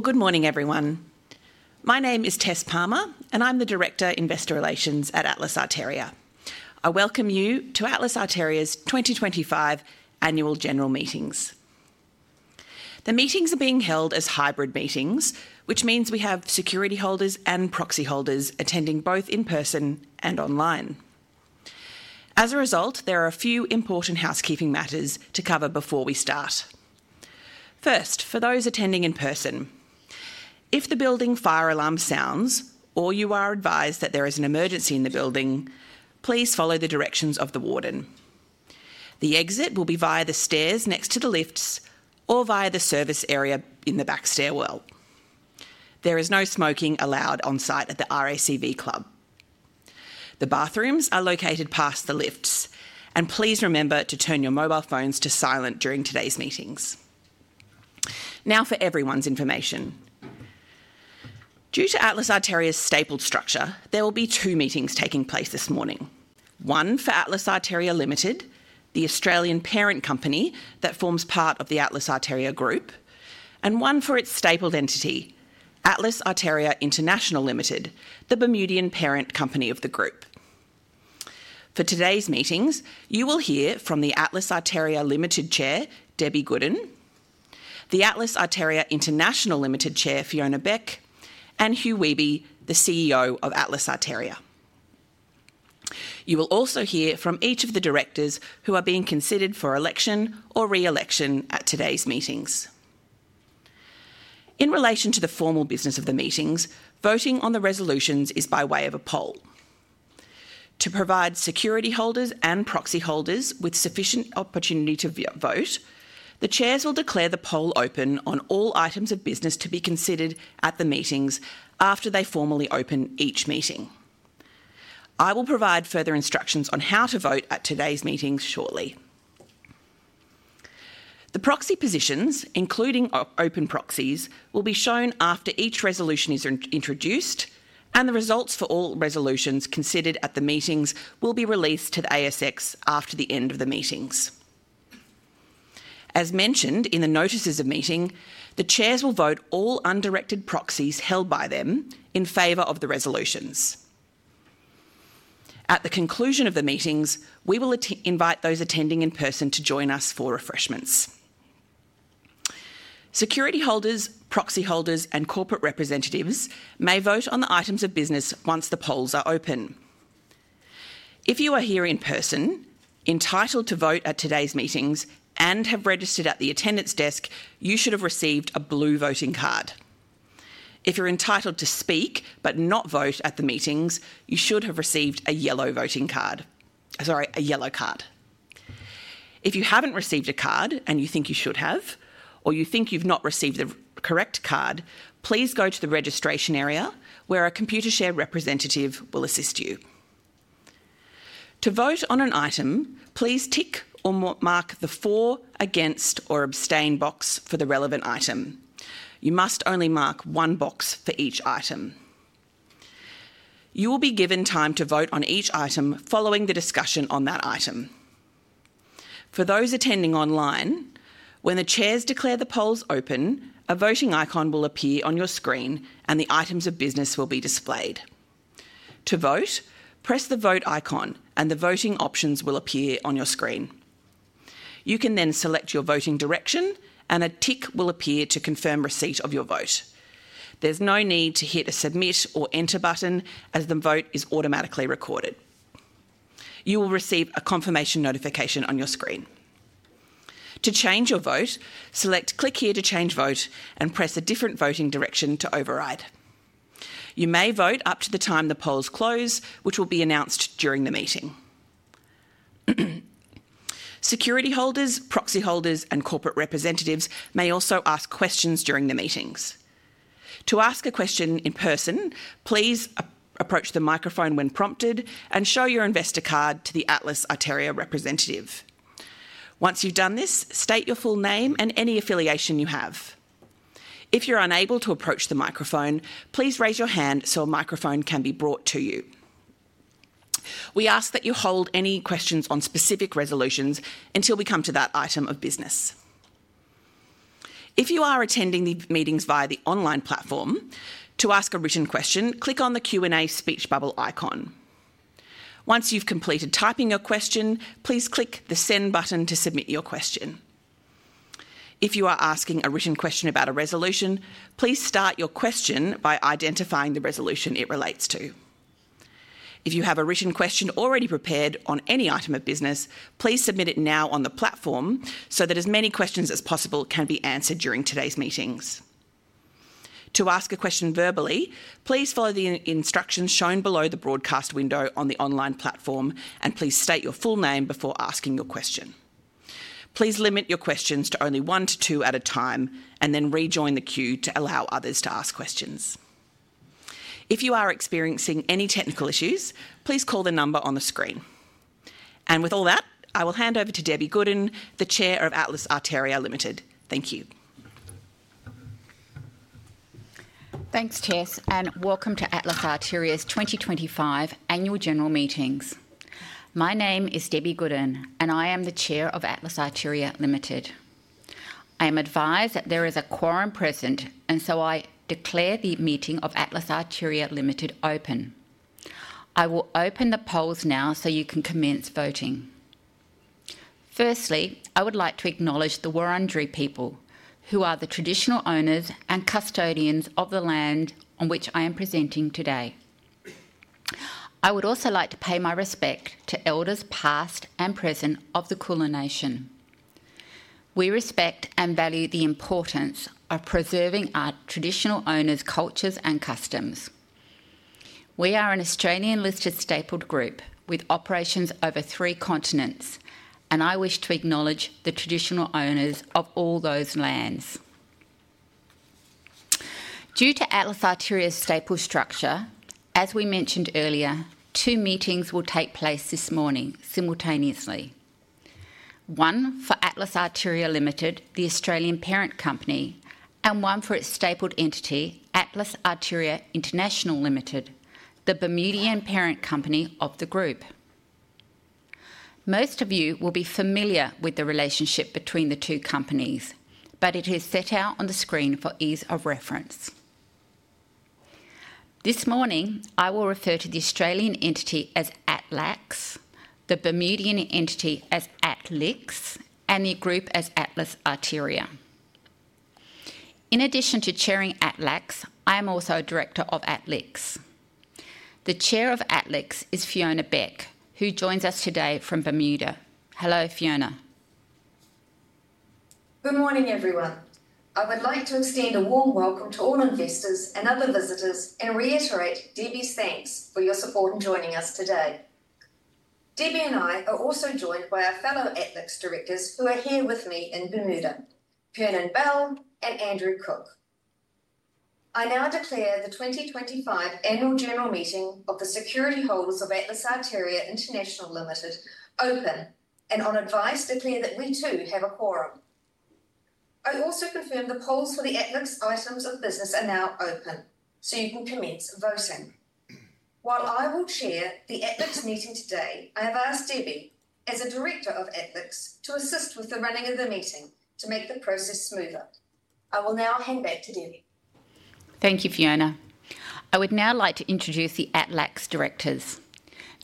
Good morning, everyone. My name is Tess Palmer, and I'm the Director of Investor Relations at Atlas Arteria. I welcome you to Atlas Arteria's 2025 Annual General Meetings. The meetings are being held as hybrid meetings, which means we have security holders and proxy holders attending both in person and online. As a result, there are a few important housekeeping matters to cover before we start. First, for those attending in person, if the building fire alarm sounds or you are advised that there is an emergency in the building, please follow the directions of the warden. The exit will be via the stairs next to the lifts or via the service area in the back stairwell. There is no smoking allowed on site at the RACV Club. The bathrooms are located past the lifts, and please remember to turn your mobile phones to silent during today's meetings. Now for everyone's information. Due to Atlas Arteria's stapled structure, there will be two meetings taking place this morning: one for Atlas Arteria Limited, the Australian parent company that forms part of the Atlas Arteria Group, and one for its stapled entity, Atlas Arteria International Limited, the Bermudian parent company of the group. For today's meetings, you will hear from the Atlas Arteria Limited Chair, Debbie Goodin, the Atlas Arteria International Limited Chair, Fiona Beck, and Hugh Wehby, the CEO of Atlas Arteria. You will also hear from each of the directors who are being considered for election or re-election at today's meetings. In relation to the formal business of the meetings, voting on the resolutions is by way of a poll. To provide security holders and proxy holders with sufficient opportunity to vote, the chairs will declare the poll open on all items of business to be considered at the meetings after they formally open each meeting. I will provide further instructions on how to vote at today's meetings shortly. The proxy positions, including open proxies, will be shown after each resolution is introduced, and the results for all resolutions considered at the meetings will be released to the ASX after the end of the meetings. As mentioned in the notices of meeting, the chairs will vote all undirected proxies held by them in favor of the resolutions. At the conclusion of the meetings, we will invite those attending in person to join us for refreshments. Security holders, proxy holders, and corporate representatives may vote on the items of business once the polls are open. If you are here in person, entitled to vote at today's meetings, and have registered at the attendance desk, you should have received a blue voting card. If you're entitled to speak but not vote at the meetings, you should have received a yellow card. If you haven't received a card and you think you should have, or you think you've not received the correct card, please go to the registration area where a Computershare representative will assist you. To vote on an item, please tick or mark the for, against, or abstain box for the relevant item. You must only mark one box for each item. You will be given time to vote on each item following the discussion on that item. For those attending online, when the chairs declare the polls open, a voting icon will appear on your screen and the items of business will be displayed. To vote, press the vote icon and the voting options will appear on your screen. You can then select your voting direction and a tick will appear to confirm receipt of your vote. There's no need to hit a submit or enter button as the vote is automatically recorded. You will receive a confirmation notification on your screen. To change your vote, select click here to change vote and press a different voting direction to override. You may vote up to the time the polls close, which will be announced during the meeting. Security holders, proxy holders, and corporate representatives may also ask questions during the meetings. To ask a question in person, please approach the microphone when prompted and show your investor card to the Atlas Arteria representative. Once you've done this, state your full name and any affiliation you have. If you're unable to approach the microphone, please raise your hand so a microphone can be brought to you. We ask that you hold any questions on specific resolutions until we come to that item of business. If you are attending the meetings via the online platform, to ask a written question, click on the Q&A speech bubble icon. Once you've completed typing your question, please click the send button to submit your question. If you are asking a written question about a resolution, please start your question by identifying the resolution it relates to. If you have a written question already prepared on any item of business, please submit it now on the platform so that as many questions as possible can be answered during today's meetings. To ask a question verbally, please follow the instructions shown below the broadcast window on the online platform and please state your full name before asking your question. Please limit your questions to only one to two at a time and then rejoin the queue to allow others to ask questions. If you are experiencing any technical issues, please call the number on the screen. With all that, I will hand over to Debbie Goodin, the Chair of Atlas Arteria Limited. Thank you. Thanks, Tess, and welcome to Atlas Arteria's 2025 Annual General Meetings. My name is Debbie Goodin, and I am the Chair of Atlas Arteria Limited. I am advised that there is a quorum present, and so I declare the meeting of Atlas Arteria Limited open. I will open the polls now so you can commence voting. Firstly, I would like to acknowledge the Wurundjeri people, who are the traditional owners and custodians of the land on which I am presenting today. I would also like to pay my respect to elders past and present of the Kulin nation. We respect and value the importance of preserving our traditional owners' cultures and customs. We are an Australian-listed stapled group with operations over three continents, and I wish to acknowledge the traditional owners of all those lands. Due to Atlas Arteria's stapled structure, as we mentioned earlier, two meetings will take place this morning simultaneously. One for Atlas Arteria Limited, the Australian parent company, and one for its stapled entity, Atlas Arteria International Limited, the Bermudian parent company of the group. Most of you will be familiar with the relationship between the two companies, but it is set out on the screen for ease of reference. This morning, I will refer to the Australian entity as Atlax, the Bermudian entity as ATLIX, and the group as Atlas Arteria. In addition to chairing Atlax, I am also a director of ATLIX. The Chair of ATLIX is Fiona Beck, who joins us today from Bermuda. Hello, Fiona. Good morning, everyone. I would like to extend a warm welcome to all investors and other visitors and reiterate Debbie's thanks for your support in joining us today. Debbie and I are also joined by our fellow ATLIX directors who are here with me in Bermuda, Kernan Bell and Andrew Cook. I now declare the 2025 Annual General Meeting of the Security Holders of Atlas Arteria International Limited open and on advice declare that we too have a quorum. I also confirm the polls for the ATLIX items of business are now open, so you can commence voting. While I will chair the ATLIX meeting today, I have asked Debbie, as a director of ATLIX, to assist with the running of the meeting to make the process smoother. I will now hand back to Debbie. Thank you, Fiona. I would now like to introduce the ATLAX directors.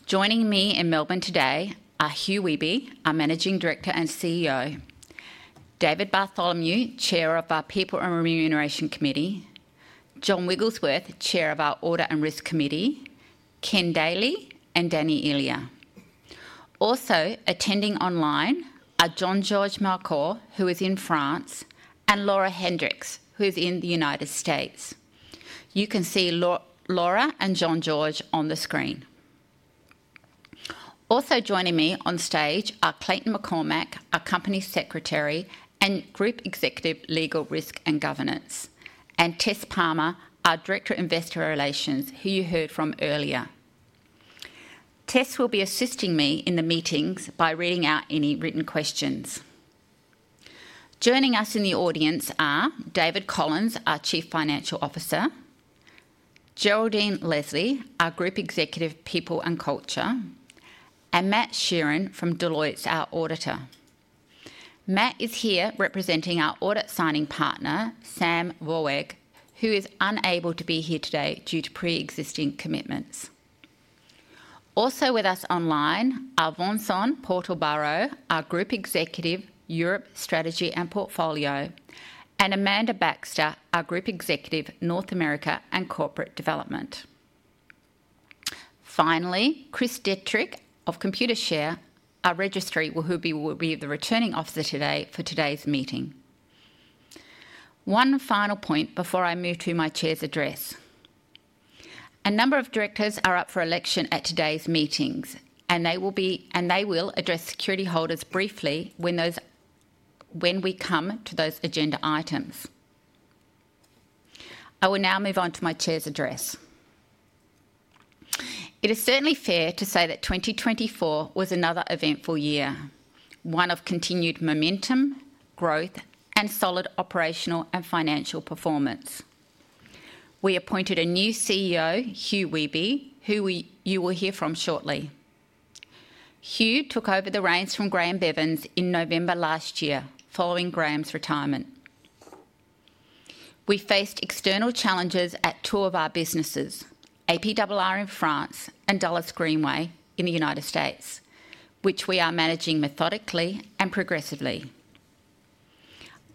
Joining me in Melbourne today are Hugh Wehby, our Managing Director and CEO; David Bartholomew, Chair of our People and Remuneration Committee; John Wigglesworth, Chair of our Audit and Risk Committee; Ken Daley; and Danny Elia. Also attending online are Jean-Georges Malcor, who is in France, and Laura Hendricks, who is in the U.S. You can see Laura and Jean-Georges on the screen. Also joining me on stage are Clayton McCormack, our Company Secretary and Group Executive Legal Risk and Governance; and Tess Palmer, our Director of Investor Relations, who you heard from earlier. Tess will be assisting me in the meetings by reading out any written questions. Joining us in the audience are David Collins, our Chief Financial Officer; Geraldine Leslie, our Group Executive People and Culture; and Matt Sheerin from Deloitte, our Auditor. Matt is here representing our audit signing partner, Sam Warwick, who is unable to be here today due to pre-existing commitments. Also with us online are Vincent Portal-Barrault, our Group Executive Europe Strategy and Portfolio, and Amanda Baxter, our Group Executive North America and Corporate Development. Finally, Chris Dedrick of Computershare, our Registrar, will be the returning officer today for today's meeting. One final point before I move to my chair's address. A number of directors are up for election at today's meetings, and they will address security holders briefly when we come to those agenda items. I will now move on to my chair's address. It is certainly fair to say that 2024 was another eventful year, one of continued momentum, growth, and solid operational and financial performance. We appointed a new CEO, Hugh Wehby, who you will hear from shortly. Hugh took over the reins from Graeme Bevans in November last year, following Graeme's retirement. We faced external challenges at two of our businesses, APRR in France and Dulles Greenway in the U.S., which we are managing methodically and progressively.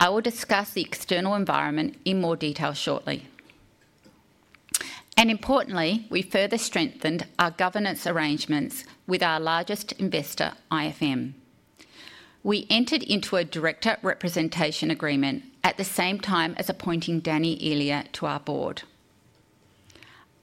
I will discuss the external environment in more detail shortly. Importantly, we further strengthened our governance arrangements with our largest investor, IFM. We entered into a director representation agreement at the same time as appointing Danny Elia to our board.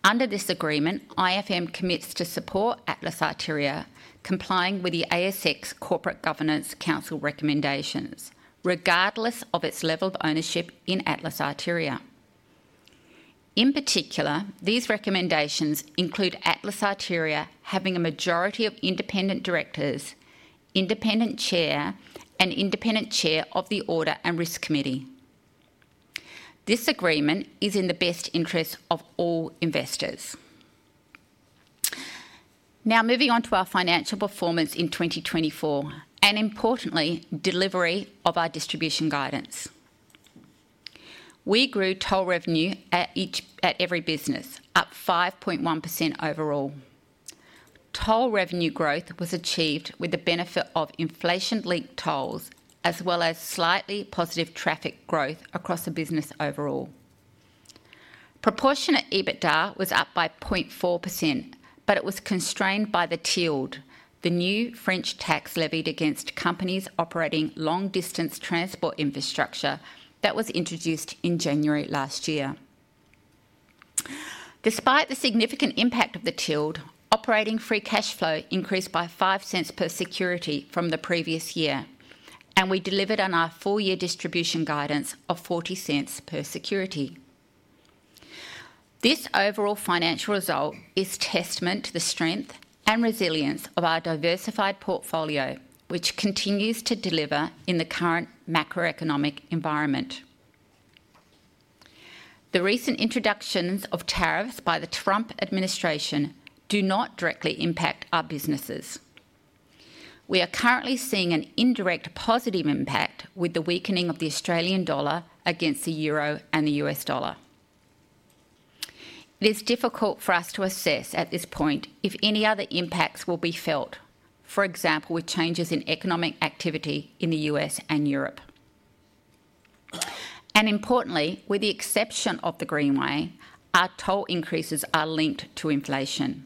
Under this agreement, IFM commits to support Atlas Arteria, complying with the ASX Corporate Governance Council recommendations, regardless of its level of ownership in Atlas Arteria. In particular, these recommendations include Atlas Arteria having a majority of independent directors, independent chair, and independent Chair of the Audit and Risk Committee. This agreement is in the best interest of all investors. Now moving on to our financial performance in 2024, and importantly, delivery of our distribution guidance. We grew toll revenue at every business, up 5.1% overall. Toll revenue growth was achieved with the benefit of inflation-linked tolls, as well as slightly positive traffic growth across the business overall. Proportionate EBITDA was up by 0.4%, but it was constrained by the TILD, the new French tax levied against companies operating long-distance transport infrastructure that was introduced in January last year. Despite the significant impact of the TILD, operating free cash flow increased by 0.05 cents per security from the previous year, and we delivered on our four-year distribution guidance of 0.40 cents per security. This overall financial result is testament to the strength and resilience of our diversified portfolio, which continues to deliver in the current macroeconomic environment. The recent introductions of tariffs by the Trump administration do not directly impact our businesses. We are currently seeing an indirect positive impact with the weakening of the AUD against the EUR and the U.S. dollar. It is difficult for us to assess at this point if any other impacts will be felt, for example, with changes in economic activity in the U.S. and Europe. Importantly, with the exception of the Greenway, our toll increases are linked to inflation.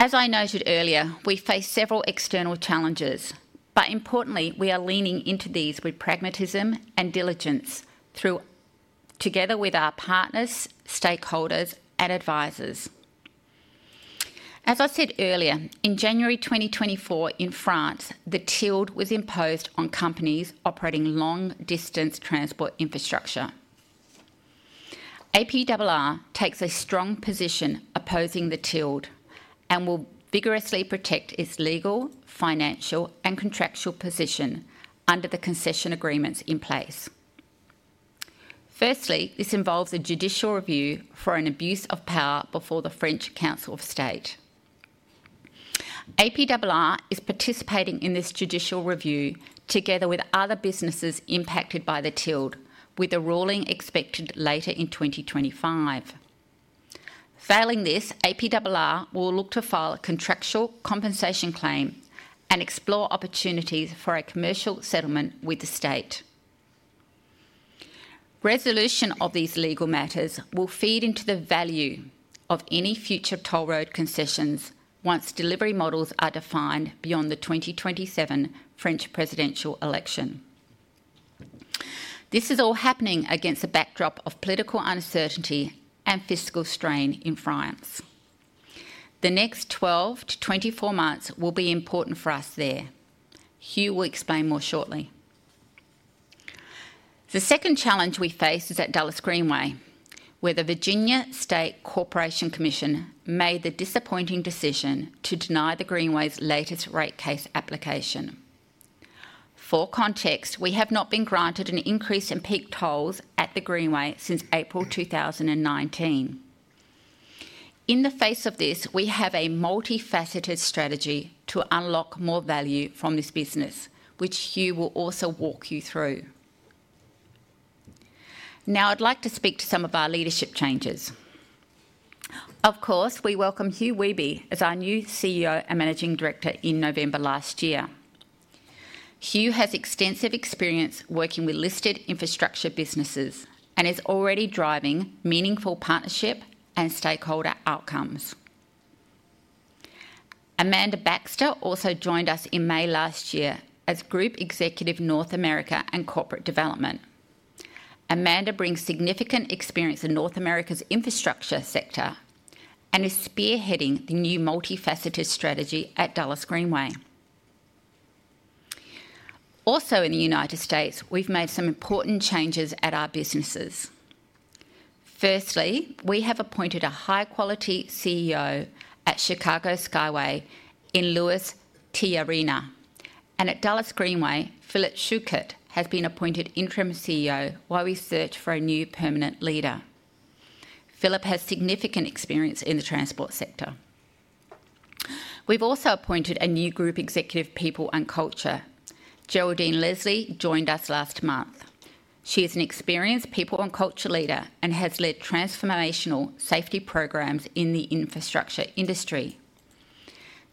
As I noted earlier, we face several external challenges, but importantly, we are leaning into these with pragmatism and diligence together with our partners, stakeholders, and advisors. As I said earlier, in January 2024 in France, the TILD was imposed on companies operating long-distance transport infrastructure. APRR takes a strong position opposing the TILD and will vigorously protect its legal, financial, and contractual position under the concession agreements in place. Firstly, this involves a judicial review for an abuse of power before the French Council of State. APRR is participating in this judicial review together with other businesses impacted by the TILD, with the ruling expected later in 2025. Failing this, APRR will look to file a contractual compensation claim and explore opportunities for a commercial settlement with the state. Resolution of these legal matters will feed into the value of any future toll road concessions once delivery models are defined beyond the 2027 French presidential election. This is all happening against the backdrop of political uncertainty and fiscal strain in France. The next 12-24 months will be important for us there. Hugh will explain more shortly. The second challenge we face is at Dulles Greenway, where the Virginia State Corporation Commission made the disappointing decision to deny the Greenway's latest rate case application. For context, we have not been granted an increase in peak tolls at the Greenway since April 2019. In the face of this, we have a multifaceted strategy to unlock more value from this business, which Hugh will also walk you through. Now I'd like to speak to some of our leadership changes. Of course, we welcome Hugh Wehby as our new CEO and Managing Director in November last year. Hugh has extensive experience working with listed infrastructure businesses and is already driving meaningful partnership and stakeholder outcomes. Amanda Baxter also joined us in May last year as Group Executive North America and Corporate Development. Amanda brings significant experience in North America's infrastructure sector and is spearheading the new multifaceted strategy at Dulles Greenway. Also in the U.S., we've made some important changes at our businesses. Firstly, we have appointed a high-quality CEO at Chicago Skyway in Luis Tejerina, and at Dulles Greenway, Philip Schucet has been appointed interim CEO while we search for a new permanent leader. Philip has significant experience in the transport sector. We've also appointed a new Group Executive People and Culture. Geraldine Leslie joined us last month. She is an experienced People and Culture leader and has led transformational safety programs in the infrastructure industry.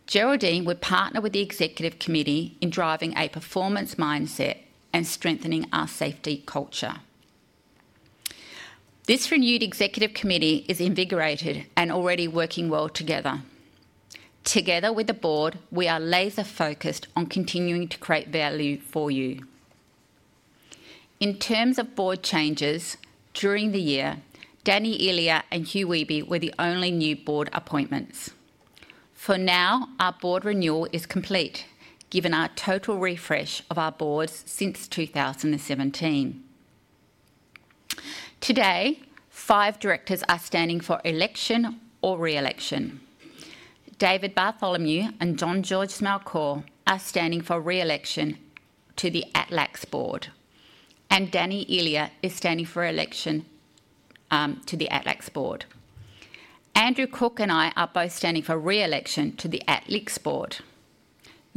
Geraldine will partner with the Executive Committee in driving a performance mindset and strengthening our safety culture. This renewed Executive Committee is invigorated and already working well together. Together with the board, we are laser-focused on continuing to create value for you. In terms of board changes during the year, Danny Elia and Hugh Wehby were the only new board appointments. For now, our board renewal is complete, given our total refresh of our boards since 2017. Today, five directors are standing for election or re-election. David Bartholomew and Jean-Georges Malcor are standing for re-election to the ATLAX board, and Danny Elia is standing for election to the ATLAX board. Andrew Cook and I are both standing for re-election to the ATLIX board.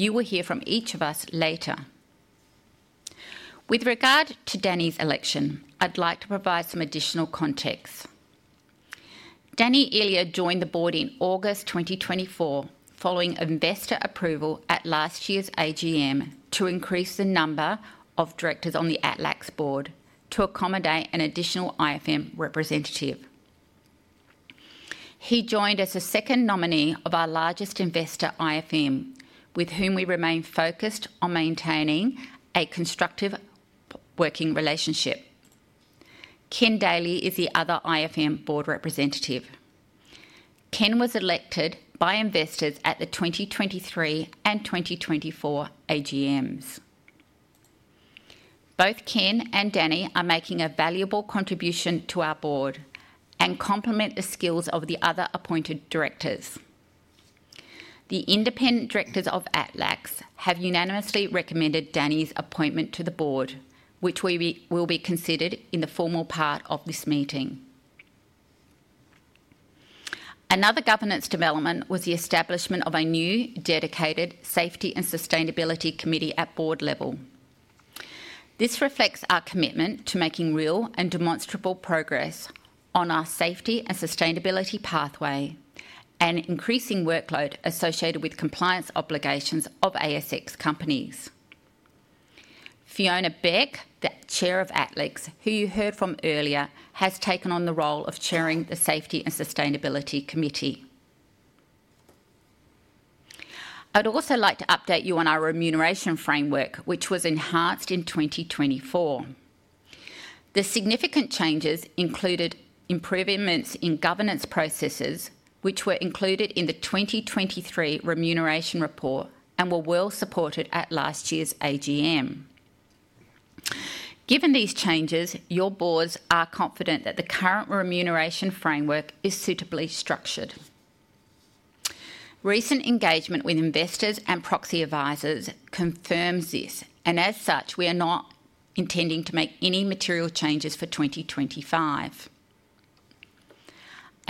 You will hear from each of us later. With regard to Danny's election, I'd like to provide some additional context. Danny Elia joined the board in August 2024 following investor approval at last year's AGM to increase the number of directors on the ATLAX board to accommodate an additional IFM representative. He joined as the second nominee of our largest investor IFM, with whom we remain focused on maintaining a constructive working relationship. Ken Daley is the other IFM board representative. Ken was elected by investors at the 2023 and 2024 AGMs. Both Ken and Danny are making a valuable contribution to our board and complement the skills of the other appointed directors. The independent directors of ATLAX have unanimously recommended Danny's appointment to the board, which will be considered in the formal part of this meeting. Another governance development was the establishment of a new dedicated Safety and Sustainability Committee at board level. This reflects our commitment to making real and demonstrable progress on our safety and sustainability pathway and increasing workload associated with compliance obligations of ASX companies. Fiona Beck, the Chair of ATLIX, who you heard from earlier, has taken on the role of chairing the Safety and Sustainability Committee. I'd also like to update you on our remuneration framework, which was enhanced in 2024. The significant changes included improvements in governance processes, which were included in the 2023 remuneration report and were well supported at last year's AGM. Given these changes, your boards are confident that the current remuneration framework is suitably structured. Recent engagement with investors and proxy advisors confirms this, and as such, we are not intending to make any material changes for 2025.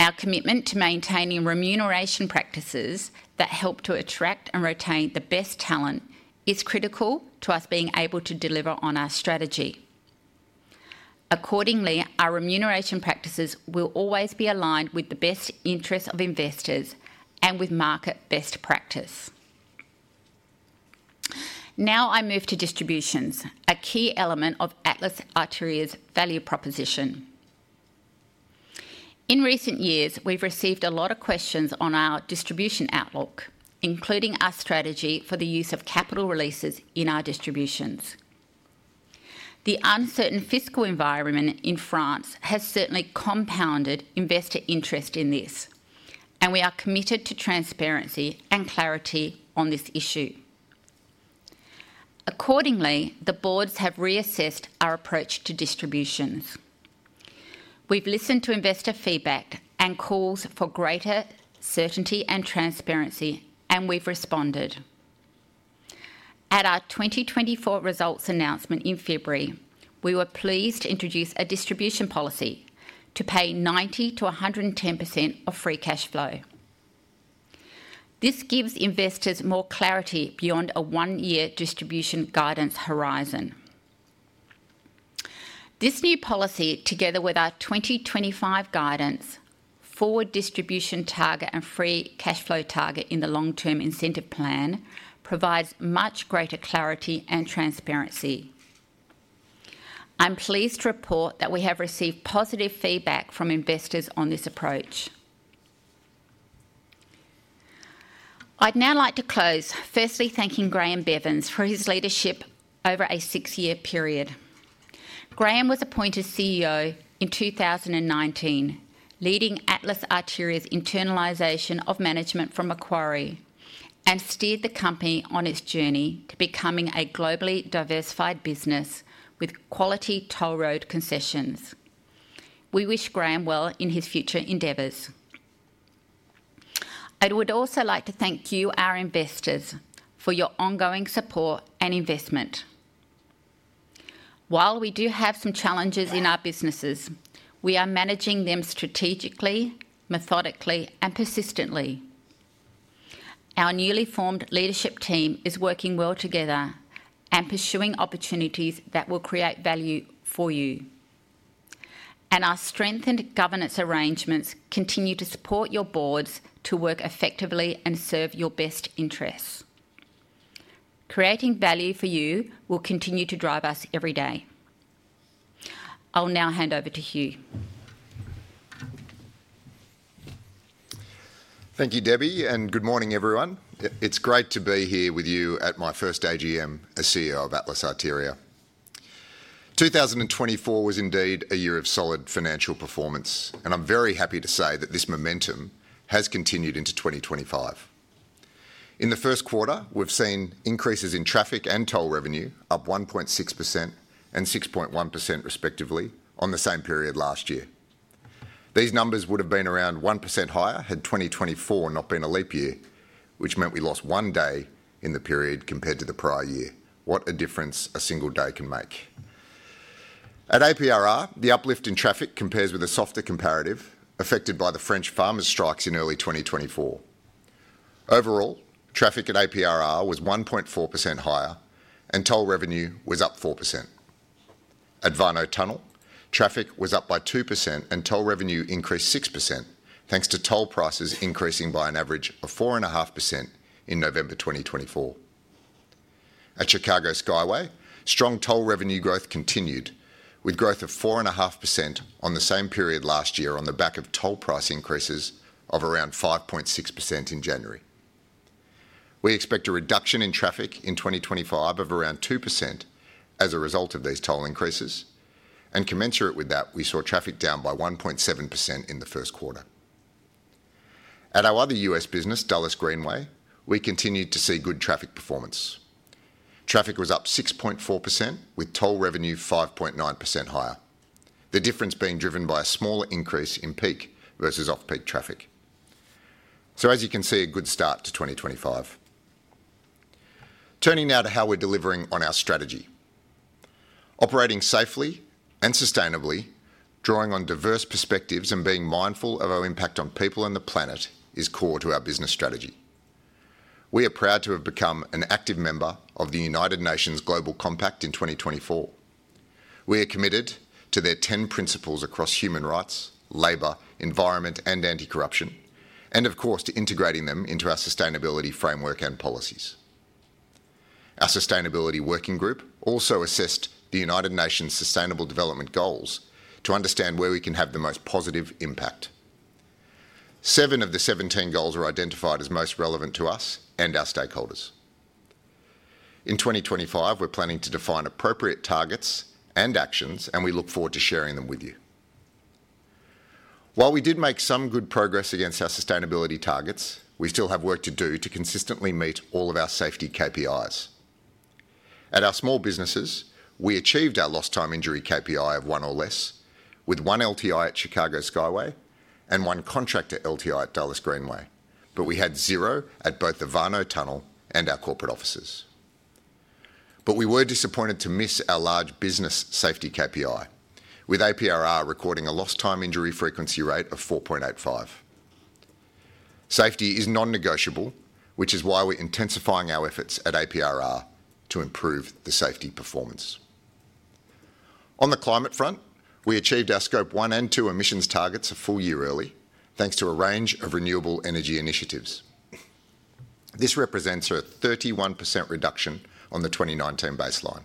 Our commitment to maintaining remuneration practices that help to attract and retain the best talent is critical to us being able to deliver on our strategy. Accordingly, our remuneration practices will always be aligned with the best interests of investors and with market best practice. Now I move to distributions, a key element of Atlas Arteria's value proposition. In recent years, we've received a lot of questions on our distribution outlook, including our strategy for the use of capital releases in our distributions. The uncertain fiscal environment in France has certainly compounded investor interest in this, and we are committed to transparency and clarity on this issue. Accordingly, the boards have reassessed our approach to distributions. We've listened to investor feedback and calls for greater certainty and transparency, and we've responded. At our 2024 results announcement in February, we were pleased to introduce a distribution policy to pay 90-110% of free cash flow. This gives investors more clarity beyond a one-year distribution guidance horizon. This new policy, together with our 2025 guidance, forward distribution target, and free cash flow target in the long-term incentive plan, provides much greater clarity and transparency. I'm pleased to report that we have received positive feedback from investors on this approach. I'd now like to close, firstly thanking Graeme Bevans for his leadership over a six-year period. Graeme was appointed CEO in 2019, leading Atlas Arteria's internalisation of management from Macquarie, and steered the company on its journey to becoming a globally diversified business with quality toll road concessions. We wish Graeme well in his future endeavours. I would also like to thank you, our investors, for your ongoing support and investment. While we do have some challenges in our businesses, we are managing them strategically, methodically, and persistently. Our newly formed leadership team is working well together and pursuing opportunities that will create value for you. Our strengthened governance arrangements continue to support your boards to work effectively and serve your best interests. Creating value for you will continue to drive us every day. I'll now hand over to Hugh. Thank you, Debbie, and good morning, everyone. It's great to be here with you at my first AGM as CEO of Atlas Arteria. 2024 was indeed a year of solid financial performance, and I'm very happy to say that this momentum has continued into 2025. In the first quarter, we've seen increases in traffic and toll revenue of 1.6% and 6.1%, respectively, on the same period last year. These numbers would have been around 1% higher had 2024 not been a leap year, which meant we lost one day in the period compared to the prior year. What a difference a single day can make. At APRR, the uplift in traffic compares with a softer comparative affected by the French farmers' strikes in early 2024. Overall, traffic at APRR was 1.4% higher, and toll revenue was up 4%. At Warnow Tunnel, traffic was up by 2%, and toll revenue increased 6%, thanks to toll prices increasing by an average of 4.5% in November 2024. At Chicago Skyway, strong toll revenue growth continued, with growth of 4.5% on the same period last year on the back of toll price increases of around 5.6% in January. We expect a reduction in traffic in 2025 of around 2% as a result of these toll increases, and commensurate with that, we saw traffic down by 1.7% in the first quarter. At our other U.S. business, Dulles Greenway, we continued to see good traffic performance. Traffic was up 6.4%, with toll revenue 5.9% higher, the difference being driven by a smaller increase in peak versus off-peak traffic. As you can see, a good start to 2025. Turning now to how we're delivering on our strategy. Operating safely and sustainably, drawing on diverse perspectives and being mindful of our impact on people and the planet is core to our business strategy. We are proud to have become an active member of the United Nations Global Compact in 2024. We are committed to their 10 principles across human rights, labour, environment, and anti-corruption, and of course, to integrating them into our sustainability framework and policies. Our Sustainability Working Group also assessed the United Nations Sustainable Development Goals to understand where we can have the most positive impact. Seven of the 17 goals are identified as most relevant to us and our stakeholders. In 2025, we're planning to define appropriate targets and actions, and we look forward to sharing them with you. While we did make some good progress against our sustainability targets, we still have work to do to consistently meet all of our safety KPIs. At our small businesses, we achieved our lost time injury KPI of one or less, with one LTI at Chicago Skyway and one contractor LTI at Dulles Greenway, but we had zero at both the Warnow Tunnel and our corporate offices. We were disappointed to miss our large business safety KPI, with APRR recording a lost time injury frequency rate of 4.85. Safety is non-negotiable, which is why we're intensifying our efforts at APRR to improve the safety performance. On the climate front, we achieved our Scope 1 and 2 emissions targets a full year early, thanks to a range of renewable energy initiatives. This represents a 31% reduction on the 2019 baseline.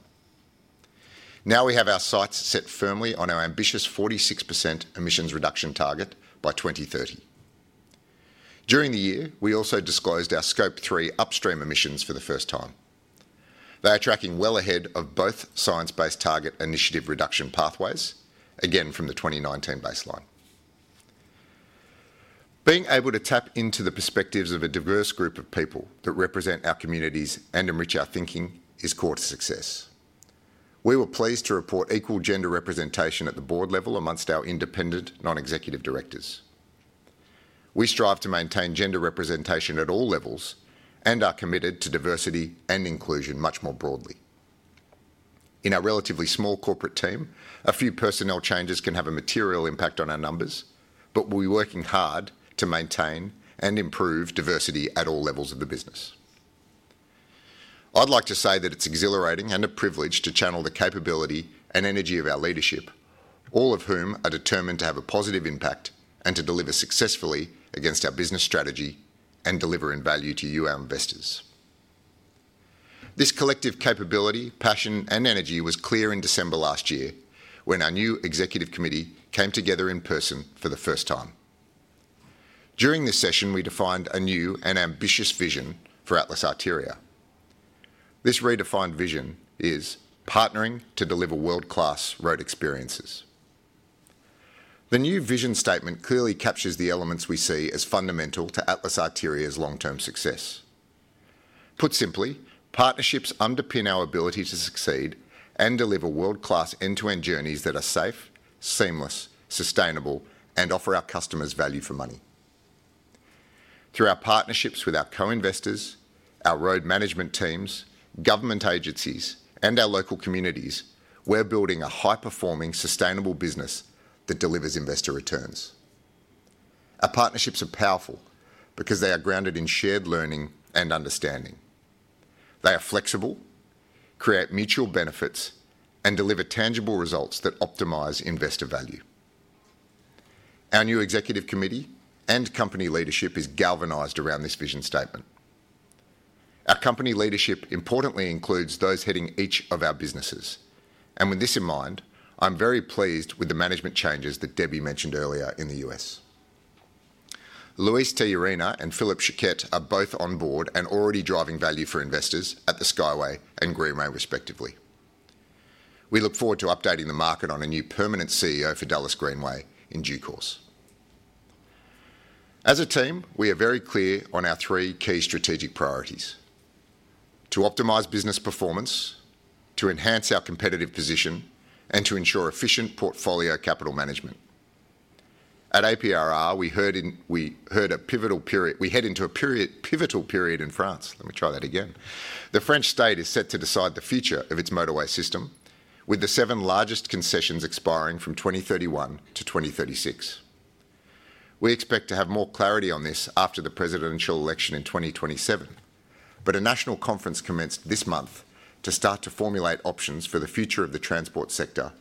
Now we have our sights set firmly on our ambitious 46% emissions reduction target by 2030. During the year, we also disclosed our Scope 3 upstream emissions for the first time. They are tracking well ahead of both science-based target initiative reduction pathways, again from the 2019 baseline. Being able to tap into the perspectives of a diverse group of people that represent our communities and enrich our thinking is core to success. We were pleased to report equal gender representation at the board level amongst our independent non-executive directors. We strive to maintain gender representation at all levels and are committed to diversity and inclusion much more broadly. In our relatively small corporate team, a few personnel changes can have a material impact on our numbers, but we're working hard to maintain and improve diversity at all levels of the business. I'd like to say that it's exhilarating and a privilege to channel the capability and energy of our leadership, all of whom are determined to have a positive impact and to deliver successfully against our business strategy and deliver in value to you, our investors. This collective capability, passion, and energy was clear in December last year when our new executive committee came together in person for the first time. During this session, we defined a new and ambitious vision for Atlas Arteria. This redefined vision is partnering to deliver world-class road experiences. The new vision statement clearly captures the elements we see as fundamental to Atlas Arteria's long-term success. Put simply, partnerships underpin our ability to succeed and deliver world-class end-to-end journeys that are safe, seamless, sustainable, and offer our customers value for money. Through our partnerships with our co-investors, our road management teams, government agencies, and our local communities, we're building a high-performing, sustainable business that delivers investor returns. Our partnerships are powerful because they are grounded in shared learning and understanding. They are flexible, create mutual benefits, and deliver tangible results that optimize investor value. Our new executive committee and company leadership is galvanized around this vision statement. Our company leadership importantly includes those heading each of our businesses. With this in mind, I'm very pleased with the management changes that Debbie mentioned earlier in the U.S. Luis Tejerina and Philip Schucet are both on board and already driving value for investors at the Skyway and Greenway, respectively. We look forward to updating the market on a new permanent CEO for Dulles Greenway in due course. As a team, we are very clear on our three key strategic priorities: to optimise business performance, to enhance our competitive position, and to ensure efficient portfolio capital management. At APRR, we head into a pivotal period in France. Let me try that again. The French state is set to decide the future of its motorway system, with the seven largest concessions expiring from 2031 to 2036. We expect to have more clarity on this after the presidential election in 2027, but a national conference commenced this month to start to formulate options for the future of the transport sector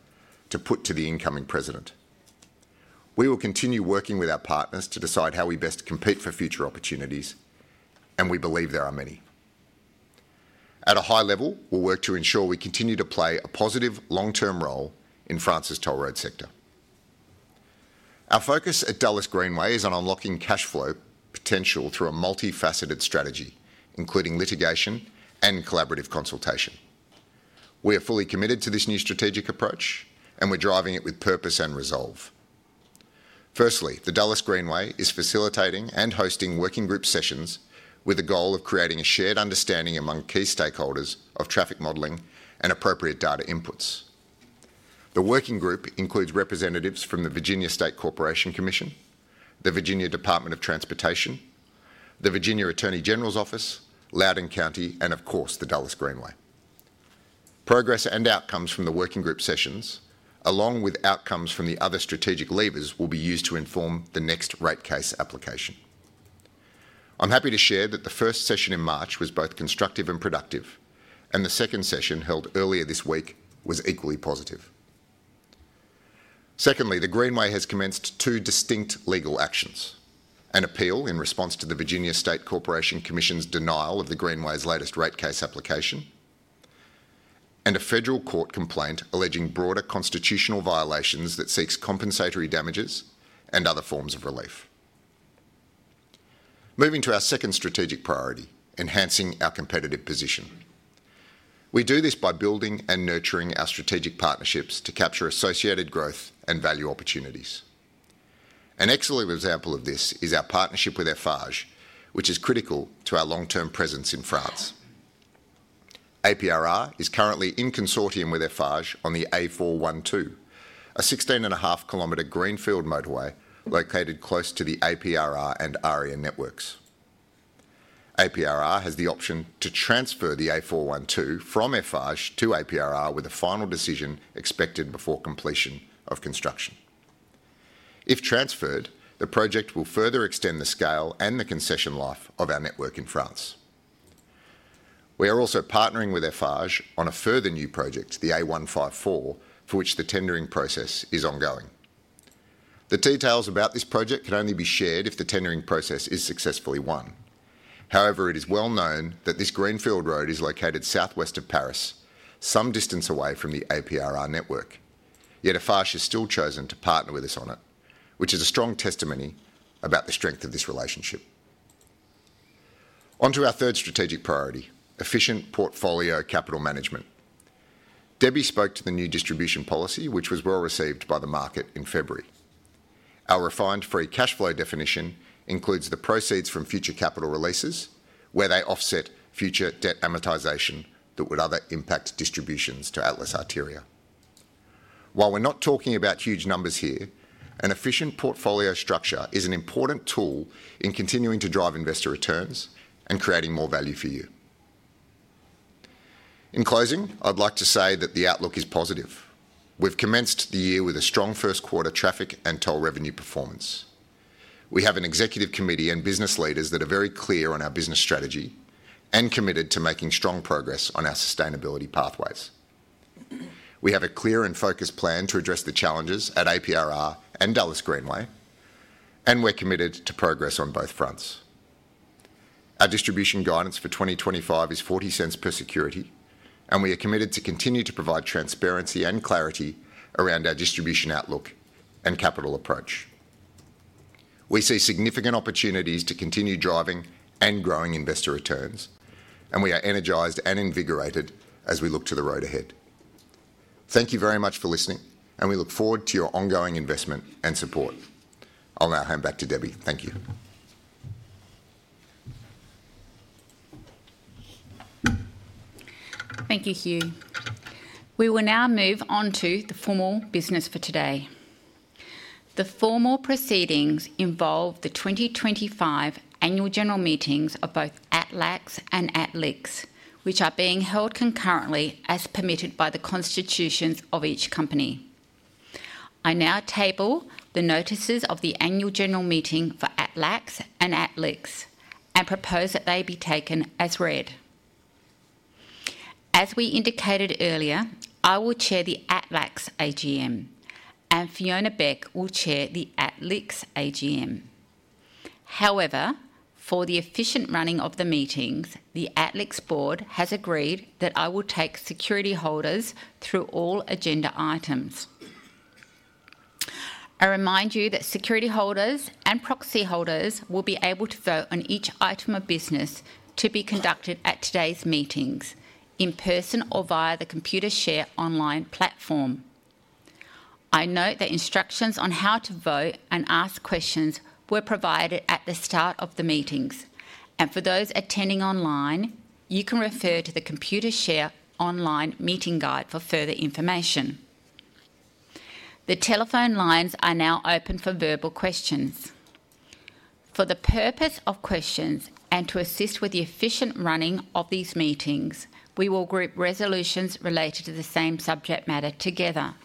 to put to the incoming president. We will continue working with our partners to decide how we best compete for future opportunities, and we believe there are many. At a high level, we'll work to ensure we continue to play a positive long-term role in France's toll road sector. Our focus at Dulles Greenway is on unlocking cash flow potential through a multifaceted strategy, including litigation and collaborative consultation. We are fully committed to this new strategic approach, and we're driving it with purpose and resolve. Firstly, the Dulles Greenway is facilitating and hosting working group sessions with the goal of creating a shared understanding among key stakeholders of traffic modelling and appropriate data inputs. The working group includes representatives from the Virginia State Corporation Commission, the Virginia Department of Transportation, the Virginia Attorney General's Office, Loudoun County, and of course, the Dulles Greenway. Progress and outcomes from the working group sessions, along with outcomes from the other strategic levers, will be used to inform the next rate case application. I'm happy to share that the first session in March was both constructive and productive, and the second session held earlier this week was equally positive. Secondly, the Greenway has commenced two distinct legal actions: an appeal in response to the Virginia State Corporation Commission's denial of the Greenway's latest rate case application, and a federal court complaint alleging broader constitutional violations that seeks compensatory damages and other forms of relief. Moving to our second strategic priority: enhancing our competitive position. We do this by building and nurturing our strategic partnerships to capture associated growth and value opportunities. An excellent example of this is our partnership with Eiffage, which is critical to our long-term presence in France. APRR is currently in consortium with Eiffage on the A412, a 16.5 km greenfield motorway located close to the APRR and ARIA networks. APRR has the option to transfer the A412 from Eiffage to APRR with a final decision expected before completion of construction. If transferred, the project will further extend the scale and the concession life of our network in France. We are also partnering with Eiffage on a further new project, the A154, for which the tendering process is ongoing. The details about this project can only be shared if the tendering process is successfully won. However, it is well known that this greenfield road is located southwest of Paris, some distance away from the APRR network, yet Eiffage has still chosen to partner with us on it, which is a strong testimony about the strength of this relationship. Onto our third strategic priority: efficient portfolio capital management. Debbie spoke to the new distribution policy, which was well received by the market in February. Our refined free cash flow definition includes the proceeds from future capital releases, where they offset future debt amortization that would otherwise impact distributions to Atlas Arteria. While we're not talking about huge numbers here, an efficient portfolio structure is an important tool in continuing to drive investor returns and creating more value for you. In closing, I'd like to say that the outlook is positive. We've commenced the year with a strong first quarter traffic and toll revenue performance. We have an executive committee and business leaders that are very clear on our business strategy and committed to making strong progress on our sustainability pathways. We have a clear and focused plan to address the challenges at APRR and Dulles Greenway, and we're committed to progress on both fronts. Our distribution guidance for 2025 is 0.40 per security, and we are committed to continue to provide transparency and clarity around our distribution outlook and capital approach. We see significant opportunities to continue driving and growing investor returns, and we are energized and invigorated as we look to the road ahead. Thank you very much for listening, and we look forward to your ongoing investment and support. I'll now hand back to Debbie. Thank you. Thank you, Hugh. We will now move on to the formal business for today. The formal proceedings involve the 2025 Annual General Meetings of both ATLAX and ATLIX, which are being held concurrently as permitted by the constitutions of each company. I now table the notices of the Annual General Meeting for ATLAX and ATLIX and propose that they be taken as read. As we indicated earlier, I will Chair the Atlax AGM, and Fiona Beck will Chair the ATLIX AGM. However, for the efficient running of the meetings, the ATLIX board has agreed that I will take security holders through all agenda items. I remind you that security holders and proxy holders will be able to vote on each item of business to be conducted at today's meetings in person or via the Computershare online platform. I note that instructions on how to vote and ask questions were provided at the start of the meetings, and for those attending online, you can refer to the Computershare online meeting guide for further information. The telephone lines are now open for verbal questions. For the purpose of questions and to assist with the efficient running of these meetings, we will group resolutions related to the same subject matter together.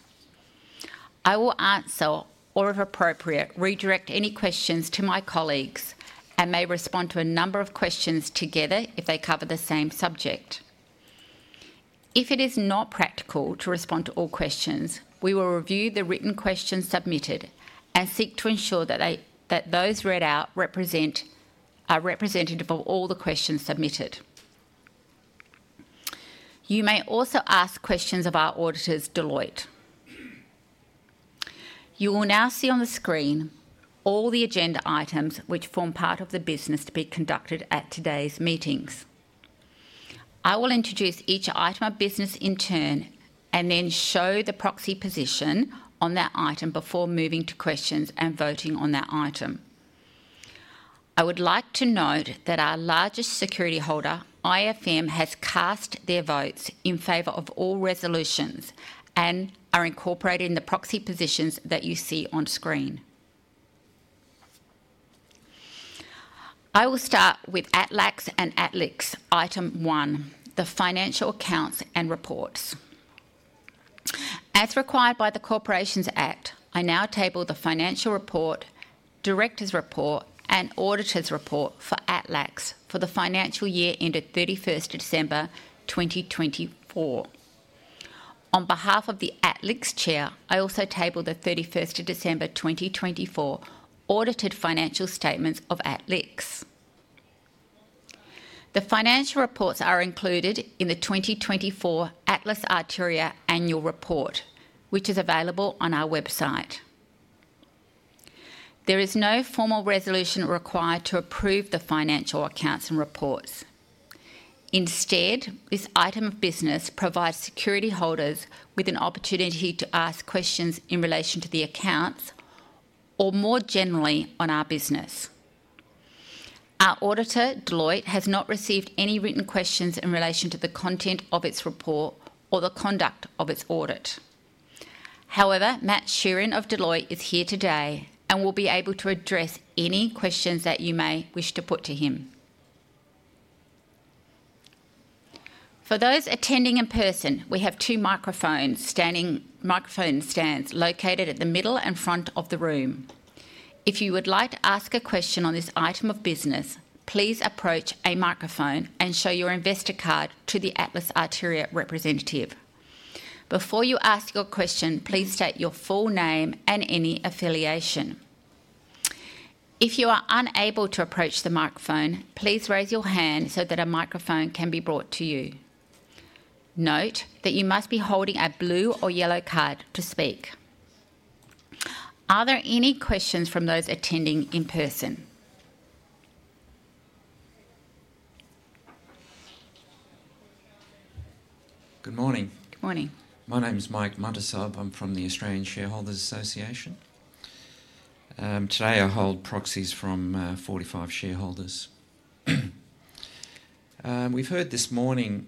I will answer all, if appropriate, redirect any questions to my colleagues, and may respond to a number of questions together if they cover the same subject. If it is not practical to respond to all questions, we will review the written questions submitted and seek to ensure that those read out are representative of all the questions submitted. You may also ask questions of our auditors, Deloitte. You will now see on the screen all the agenda items which form part of the business to be conducted at today's meetings. I will introduce each item of business in turn and then show the proxy position on that item before moving to questions and voting on that item. I would like to note that our largest security holder, IFM, has cast their votes in favor of all resolutions and are incorporated in the proxy positions that you see on screen. I will start with Atlax and ATLIX item one, the financial accounts and reports. As required by the Corporations Act, I now table the financial report, director's report, and auditor's report for Atlax for the financial year ended 31st of December 2024. On behalf of the ATLIX Chair, I also table the 31st of December 2024 audited financial statements of ATLIX. The financial reports are included in the 2024 Atlas Arteria Annual Report, which is available on our website. There is no formal resolution required to approve the financial accounts and reports. Instead, this item of business provides security holders with an opportunity to ask questions in relation to the accounts or more generally on our business. Our auditor, Deloitte, has not received any written questions in relation to the content of its report or the conduct of its audit. However, Matt Sheerin of Deloitte is here today and will be able to address any questions that you may wish to put to him. For those attending in person, we have two microphone stands located at the middle and front of the room. If you would like to ask a question on this item of business, please approach a microphone and show your investor card to the Atlas Arteria representative. Before you ask your question, please state your full name and any affiliation. If you are unable to approach the microphone, please raise your hand so that a microphone can be brought to you. Note that you must be holding a blue or yellow card to speak. Are there any questions from those attending in person? Good morning. Good morning. My name is Mike Muntz. I'm from the Australian Shareholders Association. Today, I hold proxies from 45 shareholders. We've heard this morning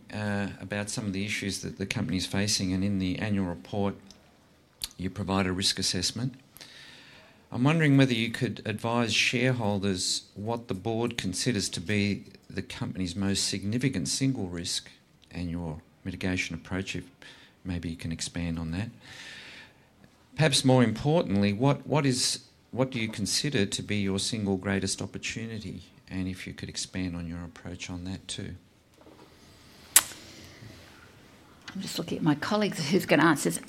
about some of the issues that the company is facing, and in the annual report, you provide a risk assessment. I'm wondering whether you could advise shareholders what the board considers to be the company's most significant single risk and your mitigation approach. Maybe you can expand on that. Perhaps more importantly, what do you consider to be your single greatest opportunity? And if you could expand on your approach on that too. I'm just looking at my colleagues who's going to answer this.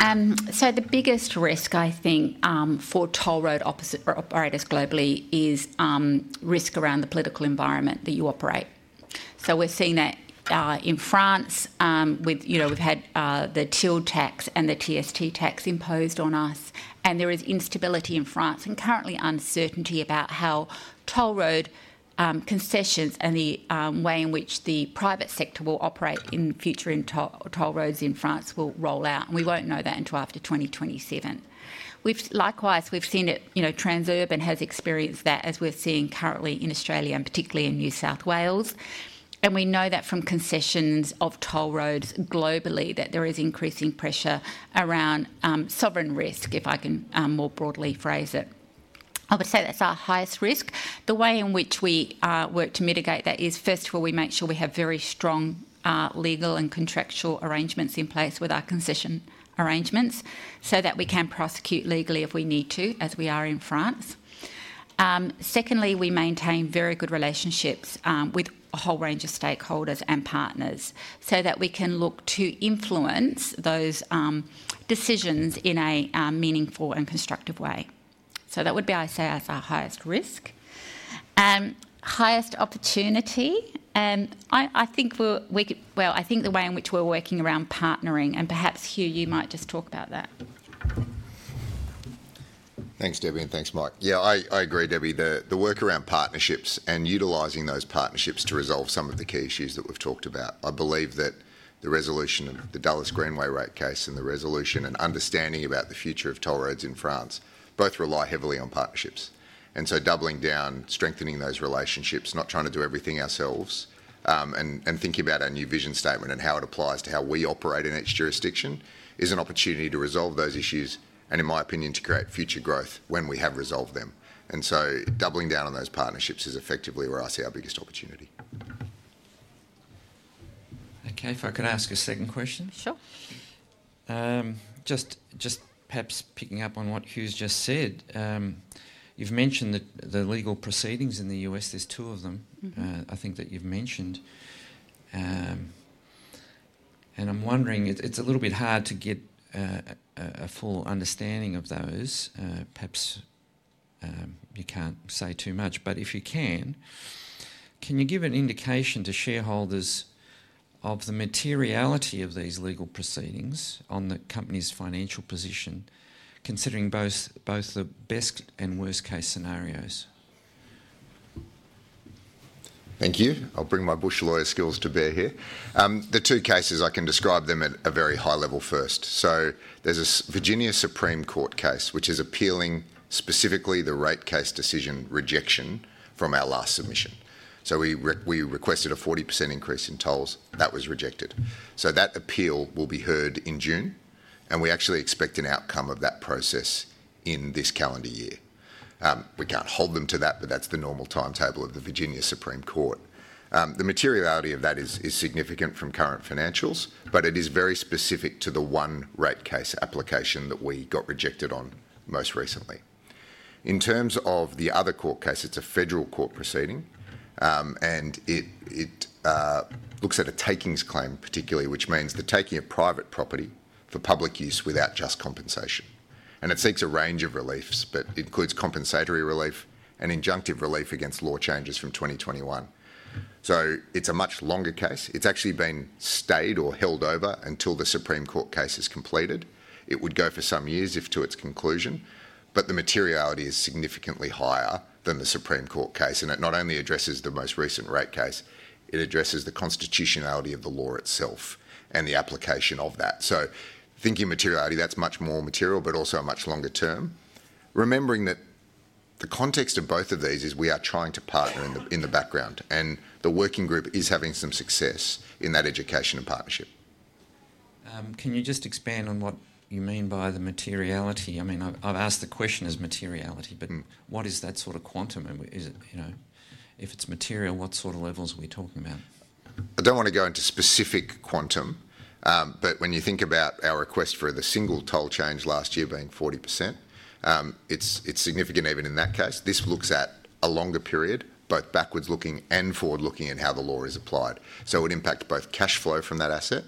The biggest risk, I think, for toll road operators globally is risk around the political environment that you operate. We're seeing that in France with we've had the TILD tax and the TST tax imposed on us, and there is instability in France and currently uncertainty about how toll road concessions and the way in which the private sector will operate in future toll roads in France will roll out. We won't know that until after 2027. Likewise, we've seen Transurban has experienced that as we're seeing currently in Australia and particularly in New South Wales. We know that from concessions of toll roads globally that there is increasing pressure around sovereign risk, if I can more broadly phrase it. I would say that's our highest risk. The way in which we work to mitigate that is, first of all, we make sure we have very strong legal and contractual arrangements in place with our concession arrangements so that we can prosecute legally if we need to, as we are in France. Secondly, we maintain very good relationships with a whole range of stakeholders and partners so that we can look to influence those decisions in a meaningful and constructive way. That would be, I say, as our highest risk. Highest opportunity. I think the way in which we're working around partnering and perhaps Hugh, you might just talk about that. Thanks, Debbie, and thanks, Mike. Yeah, I agree, Debbie. The work around partnerships and utilizing those partnerships to resolve some of the key issues that we've talked about. I believe that the resolution of the Dulles Greenway rate case and the resolution and understanding about the future of toll roads in France both rely heavily on partnerships. Doubling down, strengthening those relationships, not trying to do everything ourselves, and thinking about our new vision statement and how it applies to how we operate in each jurisdiction is an opportunity to resolve those issues and, in my opinion, to create future growth when we have resolved them. Doubling down on those partnerships is effectively where I see our biggest opportunity. Okay, if I could ask a second question. Sure. Just perhaps picking up on what Hugh's just said, you've mentioned the legal proceedings in the U.S. There's two of them, I think, that you've mentioned. I'm wondering, it's a little bit hard to get a full understanding of those. Perhaps you can't say too much, but if you can, can you give an indication to shareholders of the materiality of these legal proceedings on the company's financial position, considering both the best and worst-case scenarios? Thank you. I'll bring my bush lawyer skills to bear here. The two cases, I can describe them at a very high level first. There is a Virginia Supreme Court case which is appealing specifically the rate case decision rejection from our last submission. We requested a 40% increase in tolls. That was rejected. That appeal will be heard in June, and we actually expect an outcome of that process in this calendar year. We can't hold them to that, but that's the normal timetable of the Virginia Supreme Court. The materiality of that is significant from current financials, but it is very specific to the one rate case application that we got rejected on most recently. In terms of the other court case, it is a federal court proceeding, and it looks at a takings claim particularly, which means the taking of private property for public use without just compensation. It seeks a range of reliefs, but it includes compensatory relief and injunctive relief against law changes from 2021. It is a much longer case. It has actually been stayed or held over until the Supreme Court case is completed. It would go for some years if to its conclusion, but the materiality is significantly higher than the Supreme Court case. It not only addresses the most recent rate case, it addresses the constitutionality of the law itself and the application of that. Thinking materiality, that's much more material, but also much longer term. Remembering that the context of both of these is we are trying to partner in the background, and the working group is having some success in that education and partnership. Can you just expand on what you mean by the materiality? I mean, I've asked the question as materiality, but what is that sort of quantum? If it's material, what sort of levels are we talking about? I don't want to go into specific quantum, but when you think about our request for the single toll change last year being 40%, it's significant even in that case. This looks at a longer period, both backwards looking and forward looking in how the law is applied. It would impact both cash flow from that asset,